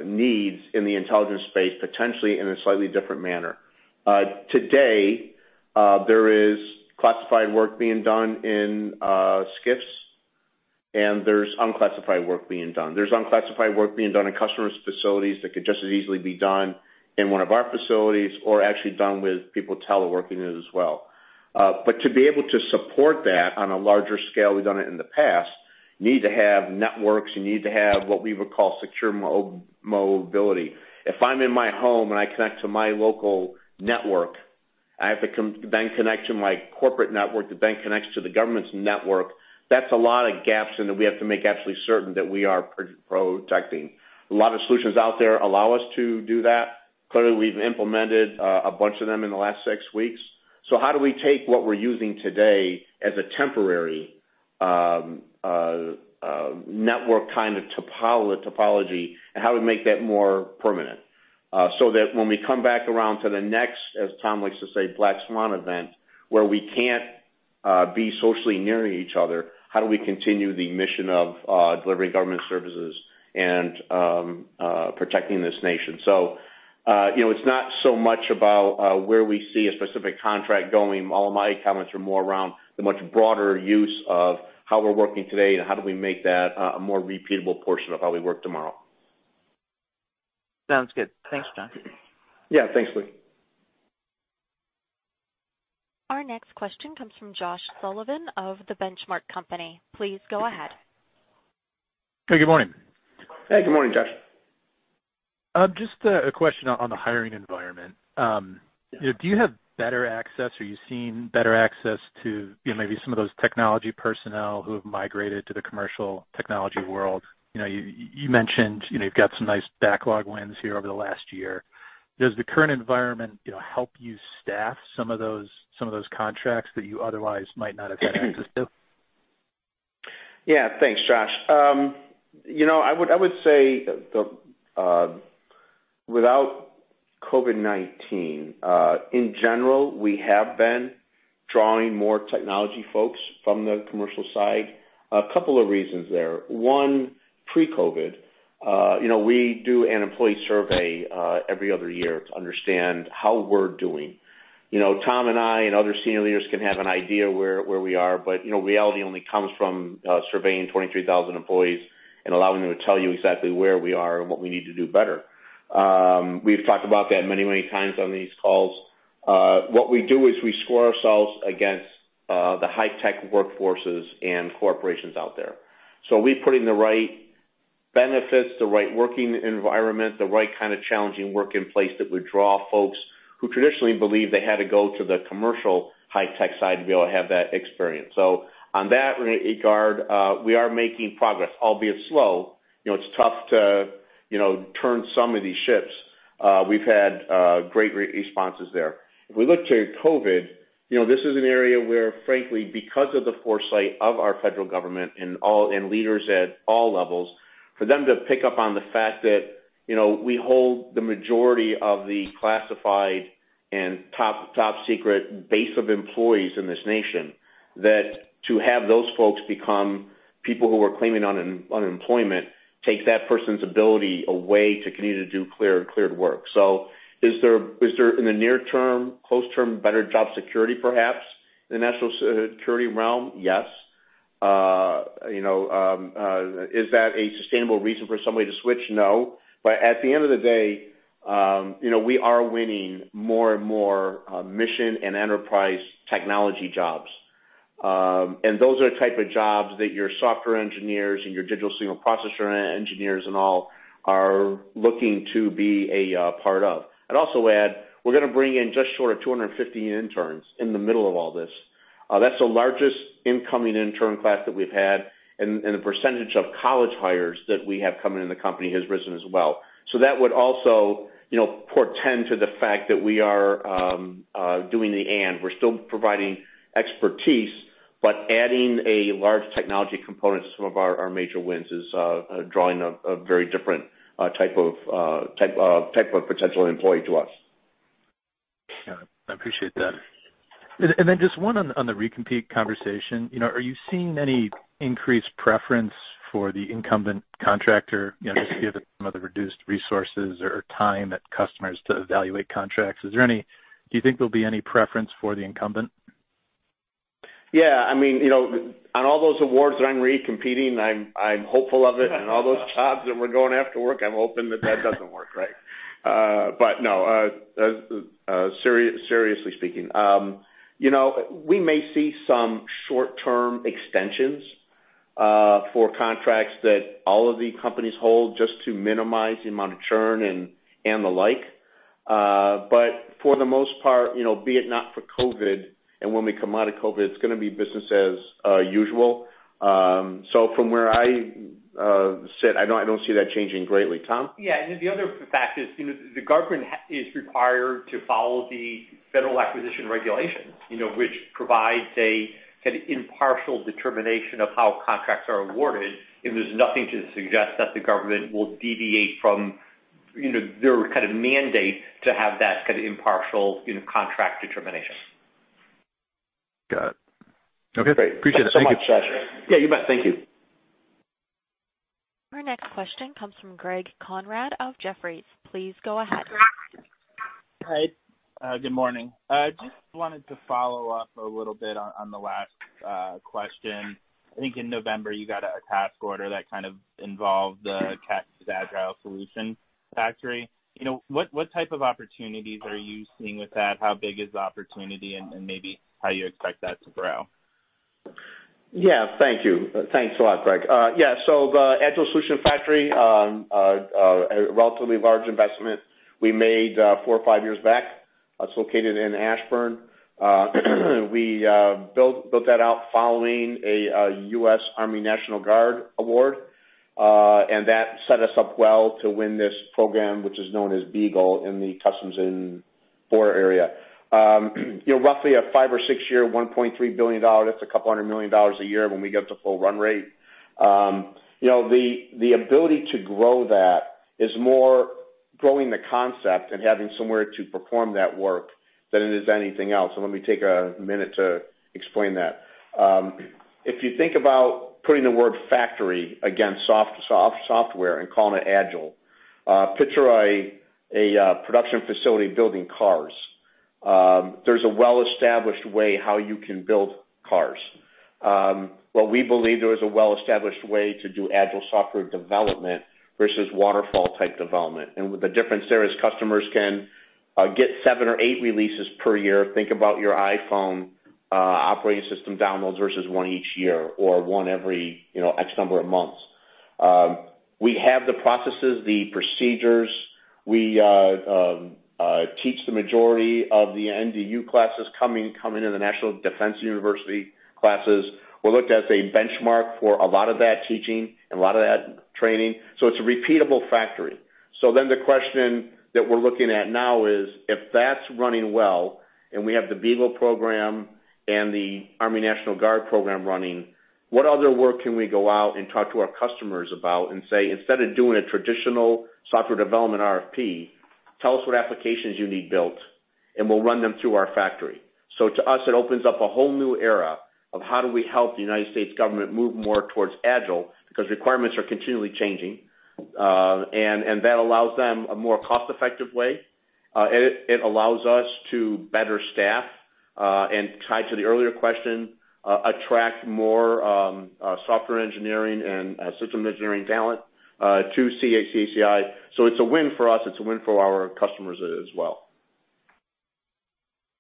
needs in the intelligence space, potentially in a slightly different manner. Today, there is classified work being done in SCIFs, and there's unclassified work being done. There's unclassified work being done in customer's facilities that could just as easily be done in one of our facilities or actually done with people teleworking as well. But to be able to support that on a larger scale, we've done it in the past, you need to have networks. You need to have what we would call secure mobility. If I'm in my home and I connect to my local network, I have to then connect to my corporate network that then connects to the government's network. That's a lot of gaps in that we have to make absolutely certain that we are protecting. A lot of solutions out there allow us to do that. Clearly, we've implemented a bunch of them in the last six weeks. So how do we take what we're using today as a temporary network kind of topology and how do we make that more permanent so that when we come back around to the next, as Tom likes to say, black swan event, where we can't be socially near each other, how do we continue the mission of delivering government services and protecting this nation? So it's not so much about where we see a specific contract going. All of my comments are more around the much broader use of how we're working today and how do we make that a more repeatable portion of how we work tomorrow. Sounds good. Thanks, John. Yeah. Thanks, Louie. Our next question comes from Josh Sullivan of The Benchmark Company. Please go ahead. Hey, good morning. Hey, good morning, Josh. Just a question on the hiring environment. Do you have better access? Are you seeing better access to maybe some of those technology personnel who have migrated to the commercial technology world? You mentioned you've got some nice backlog wins here over the last year. Does the current environment help you staff some of those contracts that you otherwise might not have had access to? Yeah. Thanks, Josh. I would say without COVID-19, in general, we have been drawing more technology folks from the commercial side. A couple of reasons there. One, pre-COVID, we do an employee survey every other year to understand how we're doing. Tom and I and other senior leaders can have an idea where we are, but reality only comes from surveying 23,000 employees and allowing them to tell you exactly where we are and what we need to do better. We've talked about that many, many times on these calls. What we do is we score ourselves against the high-tech workforces and corporations out there. So we put in the right benefits, the right working environment, the right kind of challenging work in place that would draw folks who traditionally believe they had to go to the commercial high-tech side to be able to have that experience. So on that regard, we are making progress, albeit slow. It's tough to turn some of these ships. We've had great responses there. If we look to COVID, this is an area where, frankly, because of the foresight of our federal government and leaders at all levels, for them to pick up on the fact that we hold the majority of the classified and top-secret base of employees in this nation, that to have those folks become people who are claiming on unemployment takes that person's ability away to continue to do clear and cleared work. So is there in the near term, close term, better job security perhaps in the national security realm? Yes. Is that a sustainable reason for somebody to switch? No. But at the end of the day, we are winning more and more mission and enterprise technology jobs. And those are the type of jobs that your software engineers and your digital signal processor engineers and all are looking to be a part of. I'd also add we're going to bring in just short of 250 interns in the middle of all this. That's the largest incoming intern class that we've had. And the percentage of college hires that we have coming in the company has risen as well. So that would also portend to the fact that we are doing the and. We're still providing expertise, but adding a large technology component to some of our major wins is drawing a very different type of potential employee to us. Yeah. I appreciate that. And then just one on the recompete conversation. Are you seeing any increased preference for the incumbent contractor just because of some of the reduced resources or time that customers have to evaluate contracts? Do you think there'll be any preference for the incumbent? Yeah. I mean, on all those awards that I'm recompeting, I'm hopeful of it. And all those jobs that we're going after work, I'm hoping that that doesn't work, right? But no, seriously speaking, we may see some short-term extensions for contracts that all of the companies hold just to minimize the amount of churn and the like. But for the most part, be it not for COVID and when we come out of COVID, it's going to be business as usual. So from where I sit, I don't see that changing greatly. Tom? Yeah. And then the other fact is the government is required to follow the federal acquisition regulations, which provide an impartial determination of how contracts are awarded. And there's nothing to suggest that the government will deviate from their kind of mandate to have that kind of impartial contract determination. Got it. Okay. Appreciate it. Thank you. Yeah. You bet. Thank you. Our next question comes from Greg Konrad of Jefferies. Please go ahead. Hi. Good morning. Just wanted to follow up a little bit on the last question. I think in November, you got a task order that kind of involved the CACI's Agile Solution Factory. What type of opportunities are you seeing with that? How big is the opportunity and maybe how you expect that to grow? Yeah. Thank you. Thanks a lot, Greg. Yeah, so the Agile Solution Factory, a relatively large investment we made four or five years back. It's located in Ashburn. We built that out following a U.S. Army National Guard award, and that set us up well to win this program, which is known as BEAGLE in the Customs and Border area. Roughly a five-year or six-year, $1.3 billion. That's a couple hundred million dollars a year when we get to full run rate. The ability to grow that is more growing the concept and having somewhere to perform that work than it is anything else, and let me take a minute to explain that. If you think about putting the word factory against software and calling it agile, picture a production facility building cars. There's a well-established way how you can build cars. We believe there is a well-established way to do agile software development versus waterfall-type development, and the difference there is customers can get seven or eight releases per year. Think about your iPhone operating system downloads versus one each year or one every X number of months. We have the processes, the procedures. We teach the majority of the NDU classes coming into the National Defense University classes. We're looked at as a benchmark for a lot of that teaching and a lot of that training, so it's a repeatable factory. So then the question that we're looking at now is if that's running well and we have the BEAGLE program and the Army National Guard program running, what other work can we go out and talk to our customers about and say, "Instead of doing a traditional software development RFP, tell us what applications you need built, and we'll run them through our factory." So to us, it opens up a whole new era of how do we help the United States government move more towards Agile because requirements are continually changing. And that allows them a more cost-effective way. It allows us to better staff and, tied to the earlier question, attract more software engineering and system engineering talent to CACI. So it's a win for us. It's a win for our customers as well.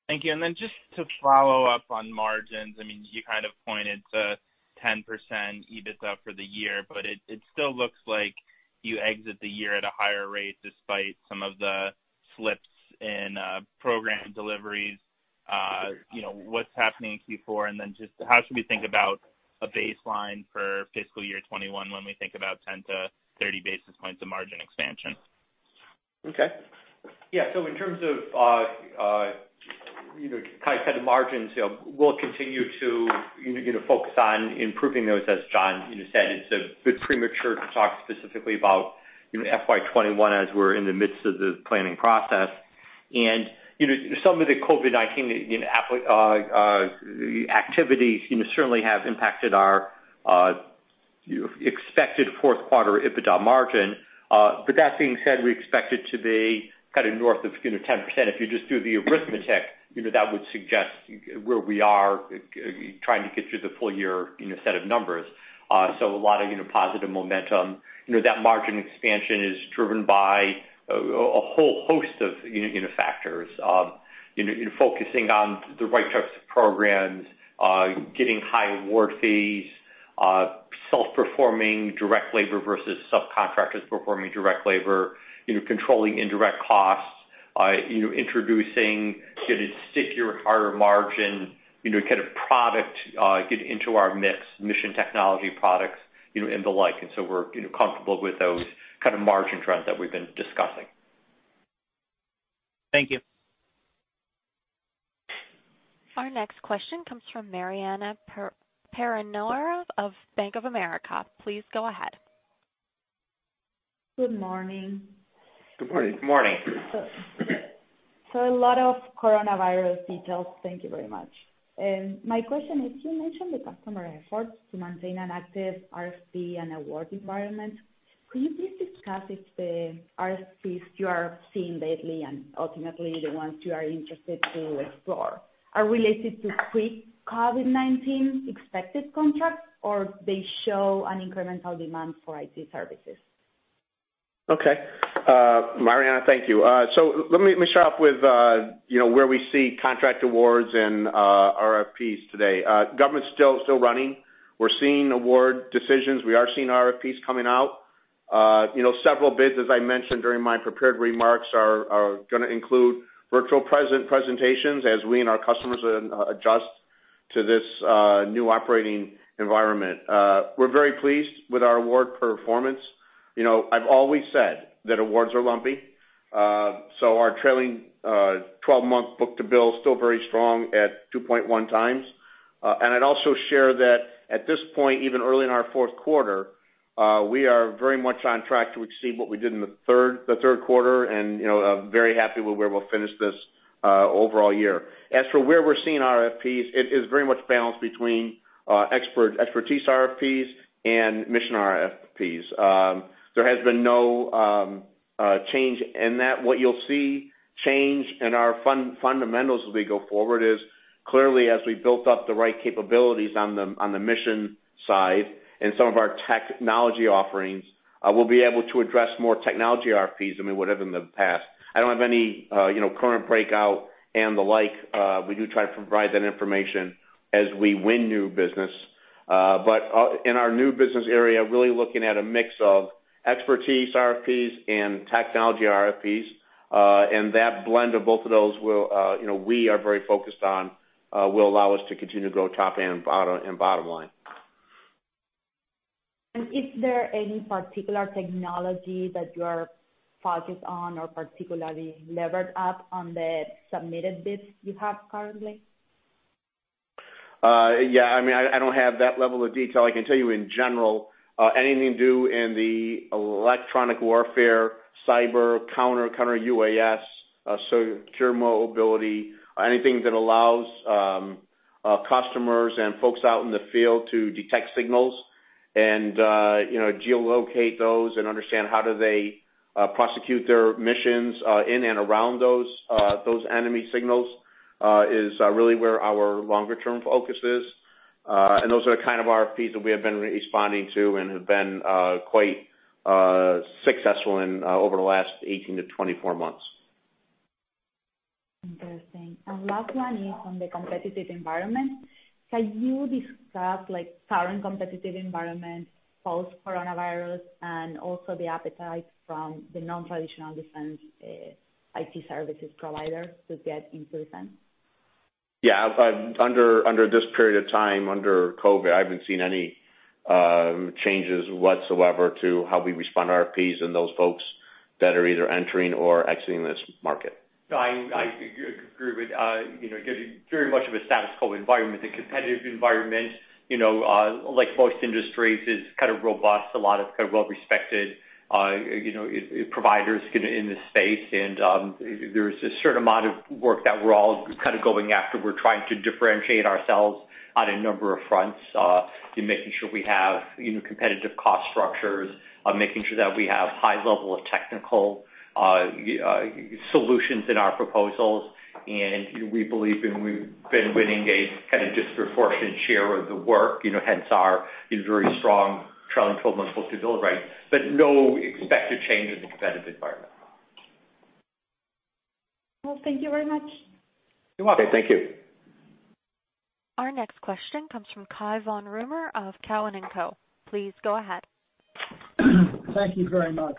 Thank you. And then just to follow up on margins, I mean, you kind of pointed to 10% EBITDA for the year, but it still looks like you exit the year at a higher rate despite some of the slips in program deliveries. What's happening in Q4? And then just how should we think about a baseline for fiscal year 2021 when we think about 10 to 30 basis points of margin expansion? Okay. Yeah. So in terms of tied to margins, we'll continue to focus on improving those, as John said. It's premature to talk specifically about FY21 as we're in the midst of the planning process. And some of the COVID-19 activities certainly have impacted our expected fourth-quarter EBITDA margin. But that being said, we expect it to be kind of north of 10%. If you just do the arithmetic, that would suggest where we are trying to get to the full-year set of numbers. So a lot of positive momentum. That margin expansion is driven by a whole host of factors: focusing on the right types of programs, getting high award fees, self-performing direct labor versus subcontractors performing direct labor, controlling indirect costs, introducing stickier higher margin, kind of product into our mix, mission technology products, and the like. And so we're comfortable with those kind of margin trends that we've been discussing. Thank you. Our next question comes from Mariana Pérez Mora of Bank of America. Please go ahead. Good morning. Good morning. Good morning. A lot of coronavirus details. Thank you very much. My question is, you mentioned the customer efforts to maintain an active RFP and award environment. Could you please discuss if the RFPs you are seeing lately and ultimately the ones you are interested to explore are related to pre-COVID-19 expected contracts, or they show an incremental demand for IT services? Okay. Mariana, thank you. So let me start off with where we see contract awards and RFPs today. Government's still running. We're seeing award decisions. We are seeing RFPs coming out. Several bids, as I mentioned during my prepared remarks, are going to include virtual presentations as we and our customers adjust to this new operating environment. We're very pleased with our award performance. I've always said that awards are lumpy. So our trailing 12-month book-to-bill is still very strong at 2.1x. And I'd also share that at this point, even early in our fourth quarter, we are very much on track to exceed what we did in the third quarter and very happy with where we'll finish this overall year. As for where we're seeing RFPs, it is very much balanced between expertise RFPs and mission RFPs. There has been no change in that. What you'll see change in our fundamentals as we go forward is clearly, as we built up the right capabilities on the mission side and some of our technology offerings, we'll be able to address more technology RFPs than we would have in the past. I don't have any current breakout and the like. We do try to provide that information as we win new business. But in our new business area, really looking at a mix of expertise RFPs and technology RFPs. And that blend of both of those we are very focused on will allow us to continue to grow top line and bottom line. Is there any particular technology that you are focused on or particularly levered up on the submitted bids you have currently? Yeah. I mean, I don't have that level of detail. I can tell you in general, anything to do in the Electronic Warfare, cyber, Counter-UAS, secure mobility, anything that allows customers and folks out in the field to detect signals and geolocate those and understand how do they prosecute their missions in and around those enemy signals is really where our longer-term focus is. And those are the kind of RFPs that we have been responding to and have been quite successful in over the last 18-24 months. Interesting, and last one is on the competitive environment. Can you discuss current competitive environment post-coronavirus and also the appetite from the non-traditional defense IT services providers to get into defense? Yeah. Under this period of time, under COVID, I haven't seen any changes whatsoever to how we respond to RFPs and those folks that are either entering or exiting this market. No, I agree with you. Very much of a status quo environment. The competitive environment, like most industries, is kind of robust. A lot of kind of well-respected providers in this space. And there's a certain amount of work that we're all kind of going after. We're trying to differentiate ourselves on a number of fronts and making sure we have competitive cost structures, making sure that we have high-level technical solutions in our proposals. And we believe we've been winning a kind of disproportionate share of the work. Hence, our very strong trailing 12-month book-to-bill rate. But no expected change in the competitive environment. Thank you very much. You're welcome. Thank you. Our next question comes from Cai von Rumohr of Cowen & Co. Please go ahead. Thank you very much.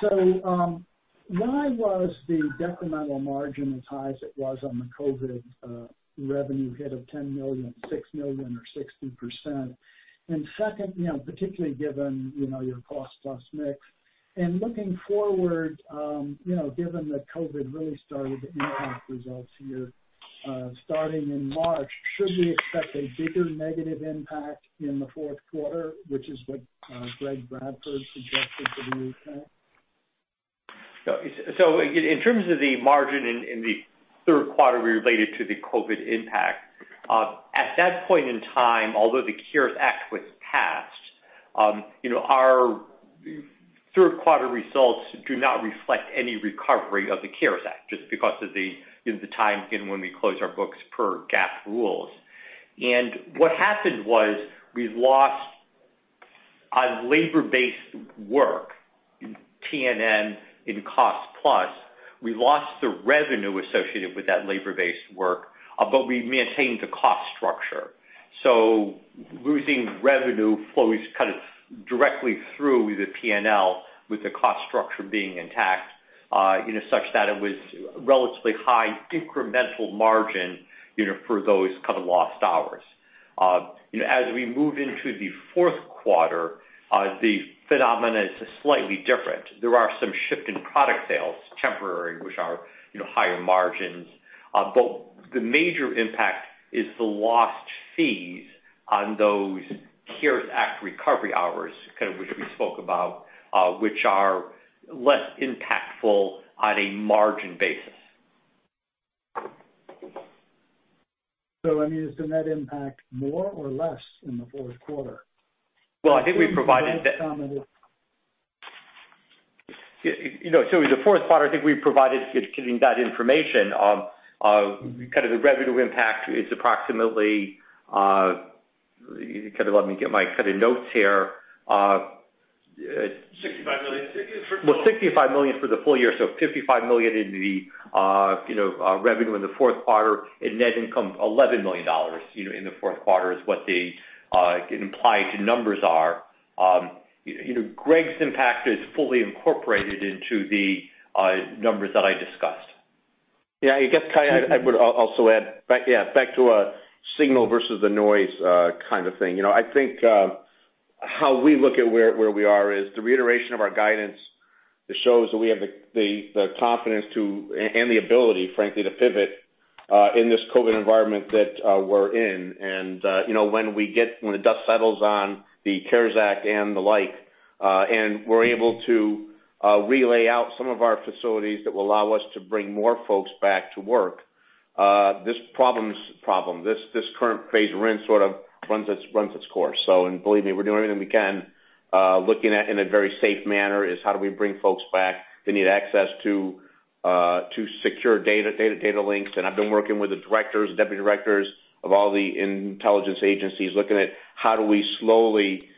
So why was the decremental margin as high as it was on the COVID revenue hit of $10 million, $6 million, or 60%? And second, particularly given your cost-plus mix. And looking forward, given that COVID really started to impact results here starting in March, should we expect a bigger negative impact in the fourth quarter, which is what Greg Bradford suggested for the U.K.? So in terms of the margin in the third quarter related to the COVID impact, at that point in time, although the CARES Act was passed, our third-quarter results do not reflect any recovery of the CARES Act just because of the time when we close our books per GAAP rules. And what happened was we lost on labor-based work, T&M and cost-plus. We lost the revenue associated with that labor-based work, but we maintained the cost structure. So losing revenue flows kind of directly through the P&L with the cost structure being intact such that it was relatively high incremental margin for those kind of lost hours. As we move into the fourth quarter, the phenomenon is slightly different. There are some shift in product sales, temporary, which are higher margins. But the major impact is the lost fees on those CARES Act recovery hours, kind of which we spoke about, which are less impactful on a margin basis. So I mean, is that impact more or less in the fourth quarter? I think we provided. In the fourth quarter, I think we provided that information. The revenue impact is approximately. Let me get my notes here. 65 million. $65 million for the full year. $55 million in the revenue in the fourth quarter and net income $11 million in the fourth quarter is what the implied numbers are. Greg's impact is fully incorporated into the numbers that I discussed. Yeah. I guess, Cai, I would also add, yeah, back to a signal versus the noise kind of thing. I think how we look at where we are is the reiteration of our guidance that shows that we have the confidence and the ability, frankly, to pivot in this COVID environment that we're in. And when we get the dust settles on the CARES Act and the like, and we're able to relay out some of our facilities that will allow us to bring more folks back to work, this problem. This current phase of rent sort of runs its course. So and believe me, we're doing everything we can looking at in a very safe manner is how do we bring folks back. They need access to secure data links. And I've been working with the directors, the deputy directors of all the intelligence agencies looking at how do we slowly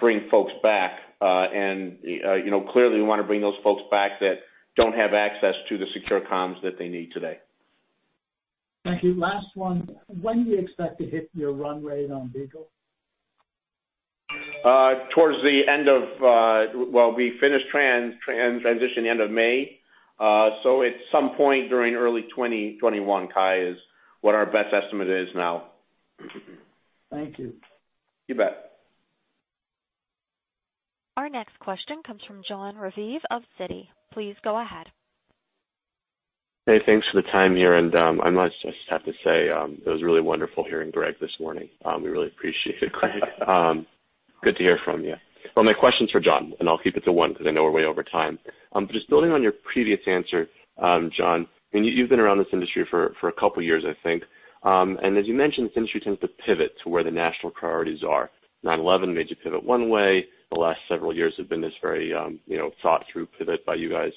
bring folks back. And clearly, we want to bring those folks back that don't have access to the secure comms that they need today. Thank you. Last one. When do you expect to hit your run rate on BEAGLE? Towards the end of, well, we finished transitioning at the end of May. So at some point during early 2021, Cai, is what our best estimate is now. Thank you. You bet. Our next question comes from Jon Raviv of Citi. Please go ahead. Hey, thanks for the time here. I must just have to say it was really wonderful hearing Greg this morning. We really appreciate it, Kai. Good to hear from you. My question's for Jon, and I'll keep it to one because I know we're way over time. Just building on your previous answer, Jon, you've been around this industry for a couple of years, I think. As you mentioned, this industry tends to pivot to where the national priorities are. 9/11 made you pivot one way. The last several years have been this very thought-through pivot by you guys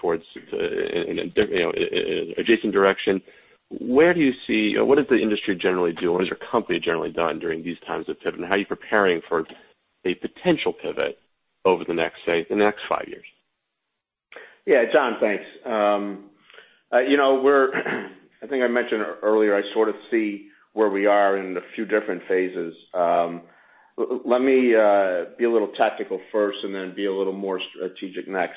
towards an adjacent direction. Where do you see what does the industry generally do? What has your company generally done during these times of pivot? And how are you preparing for a potential pivot over the next five years? Yeah. Jon, thanks. I think I mentioned earlier, I sort of see where we are in a few different phases. Let me be a little tactical first and then be a little more strategic next.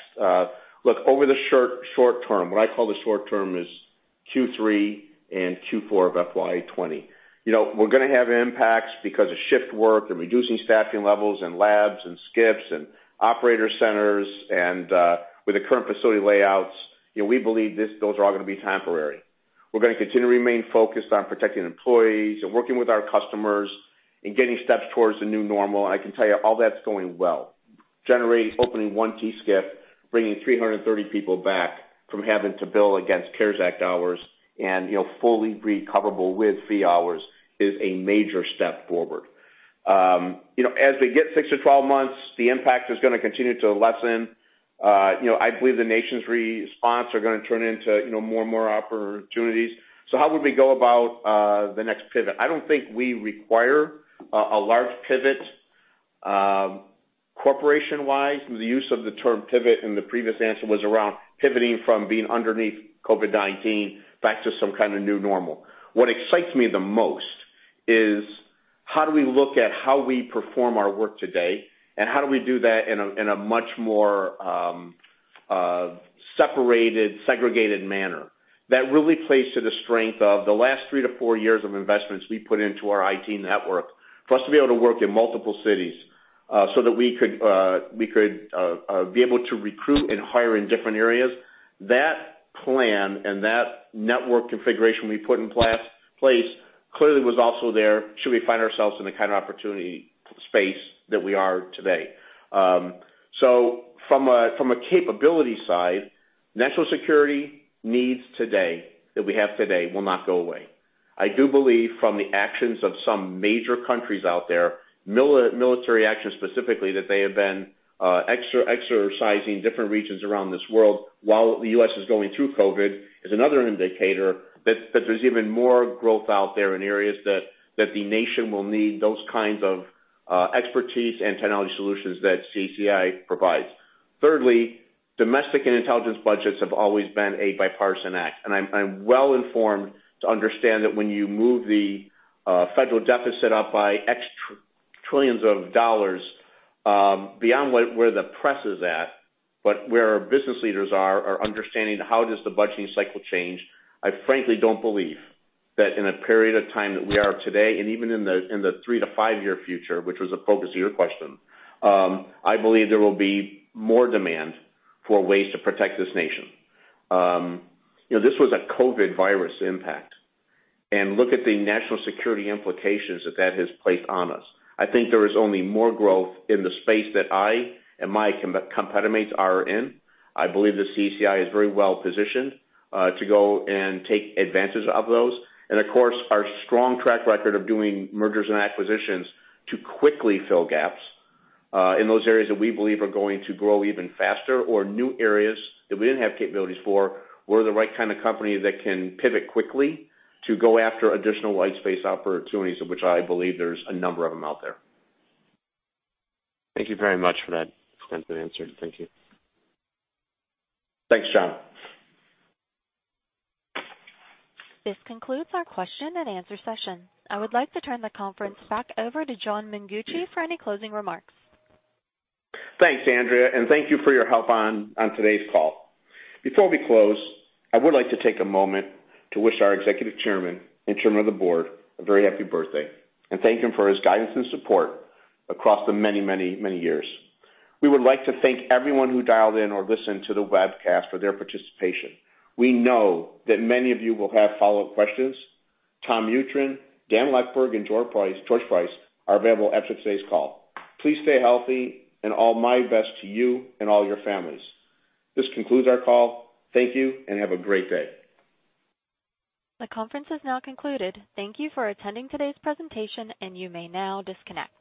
Look, over the short term, what I call the short term is Q3 and Q4 of FY2020. We're going to have impacts because of shift work and reducing staffing levels and labs and SCIFs and operator centers. And with the current facility layouts, we believe those are all going to be temporary. We're going to continue to remain focused on protecting employees and working with our customers and getting steps towards the new normal. And I can tell you all that's going well. Generally opening one T-SCIF, bringing 330 people back from having to bill against CARES Act hours and fully recoverable with fee hours is a major step forward. As we get six to 12 months, the impact is going to continue to lessen. I believe the nation's response are going to turn into more and more opportunities, so how would we go about the next pivot? I don't think we require a large pivot corporation-wise. The use of the term pivot in the previous answer was around pivoting from being underneath COVID-19 back to some kind of new normal. What excites me the most is how do we look at how we perform our work today and how do we do that in a much more separated, segregated manner? That really plays to the strength of the last three to four years of investments we put into our IT network for us to be able to work in multiple cities so that we could be able to recruit and hire in different areas. That plan and that network configuration we put in place clearly was also there should we find ourselves in the kind of opportunity space that we are today. So from a capability side, national security needs today that we have today will not go away. I do believe, from the actions of some major countries out there, military action specifically, that they have been exercising different regions around this world while the U.S. is going through COVID, is another indicator that there's even more growth out there in areas that the nation will need those kinds of expertise and technology solutions that CACI provides. Thirdly, domestic and intelligence budgets have always been a bipartisan act. I'm well informed to understand that when you move the federal deficit up by X trillions of dollars beyond where the press is at, but where our business leaders are understanding how does the budgeting cycle change. I frankly don't believe that in a period of time that we are today and even in the three-year to five-year future, which was the focus of your question. I believe there will be more demand for ways to protect this nation. This was a COVID-19 impact. Look at the national security implications that that has placed on us. I think there is only more growth in the space that I and my competitive mates are in. I believe the CACI is very well positioned to go and take advantage of those. Of course, our strong track record of doing mergers and acquisitions to quickly fill gaps in those areas that we believe are going to grow even faster, or new areas that we didn't have capabilities for, were the right kind of company that can pivot quickly to go after additional white space opportunities, of which I believe there's a number of them out there. Thank you very much for that extensive answer. Thank you. Thanks, Jon. This concludes our question and answer session. I would like to turn the conference back over to John Mengucci for any closing remarks. Thanks, Andrea. And thank you for your help on today's call. Before we close, I would like to take a moment to wish our executive chairman and chairman of the board a very happy birthday and thank him for his guidance and support across the many, many, many years. We would like to thank everyone who dialed in or listened to the webcast for their participation. We know that many of you will have follow-up questions. Tom Mutryn, Dan Leckburg, and George Price are available after today's call. Please stay healthy and all my best to you and all your families. This concludes our call. Thank you and have a great day. The conference has now concluded. Thank you for attending today's presentation, and you may now disconnect.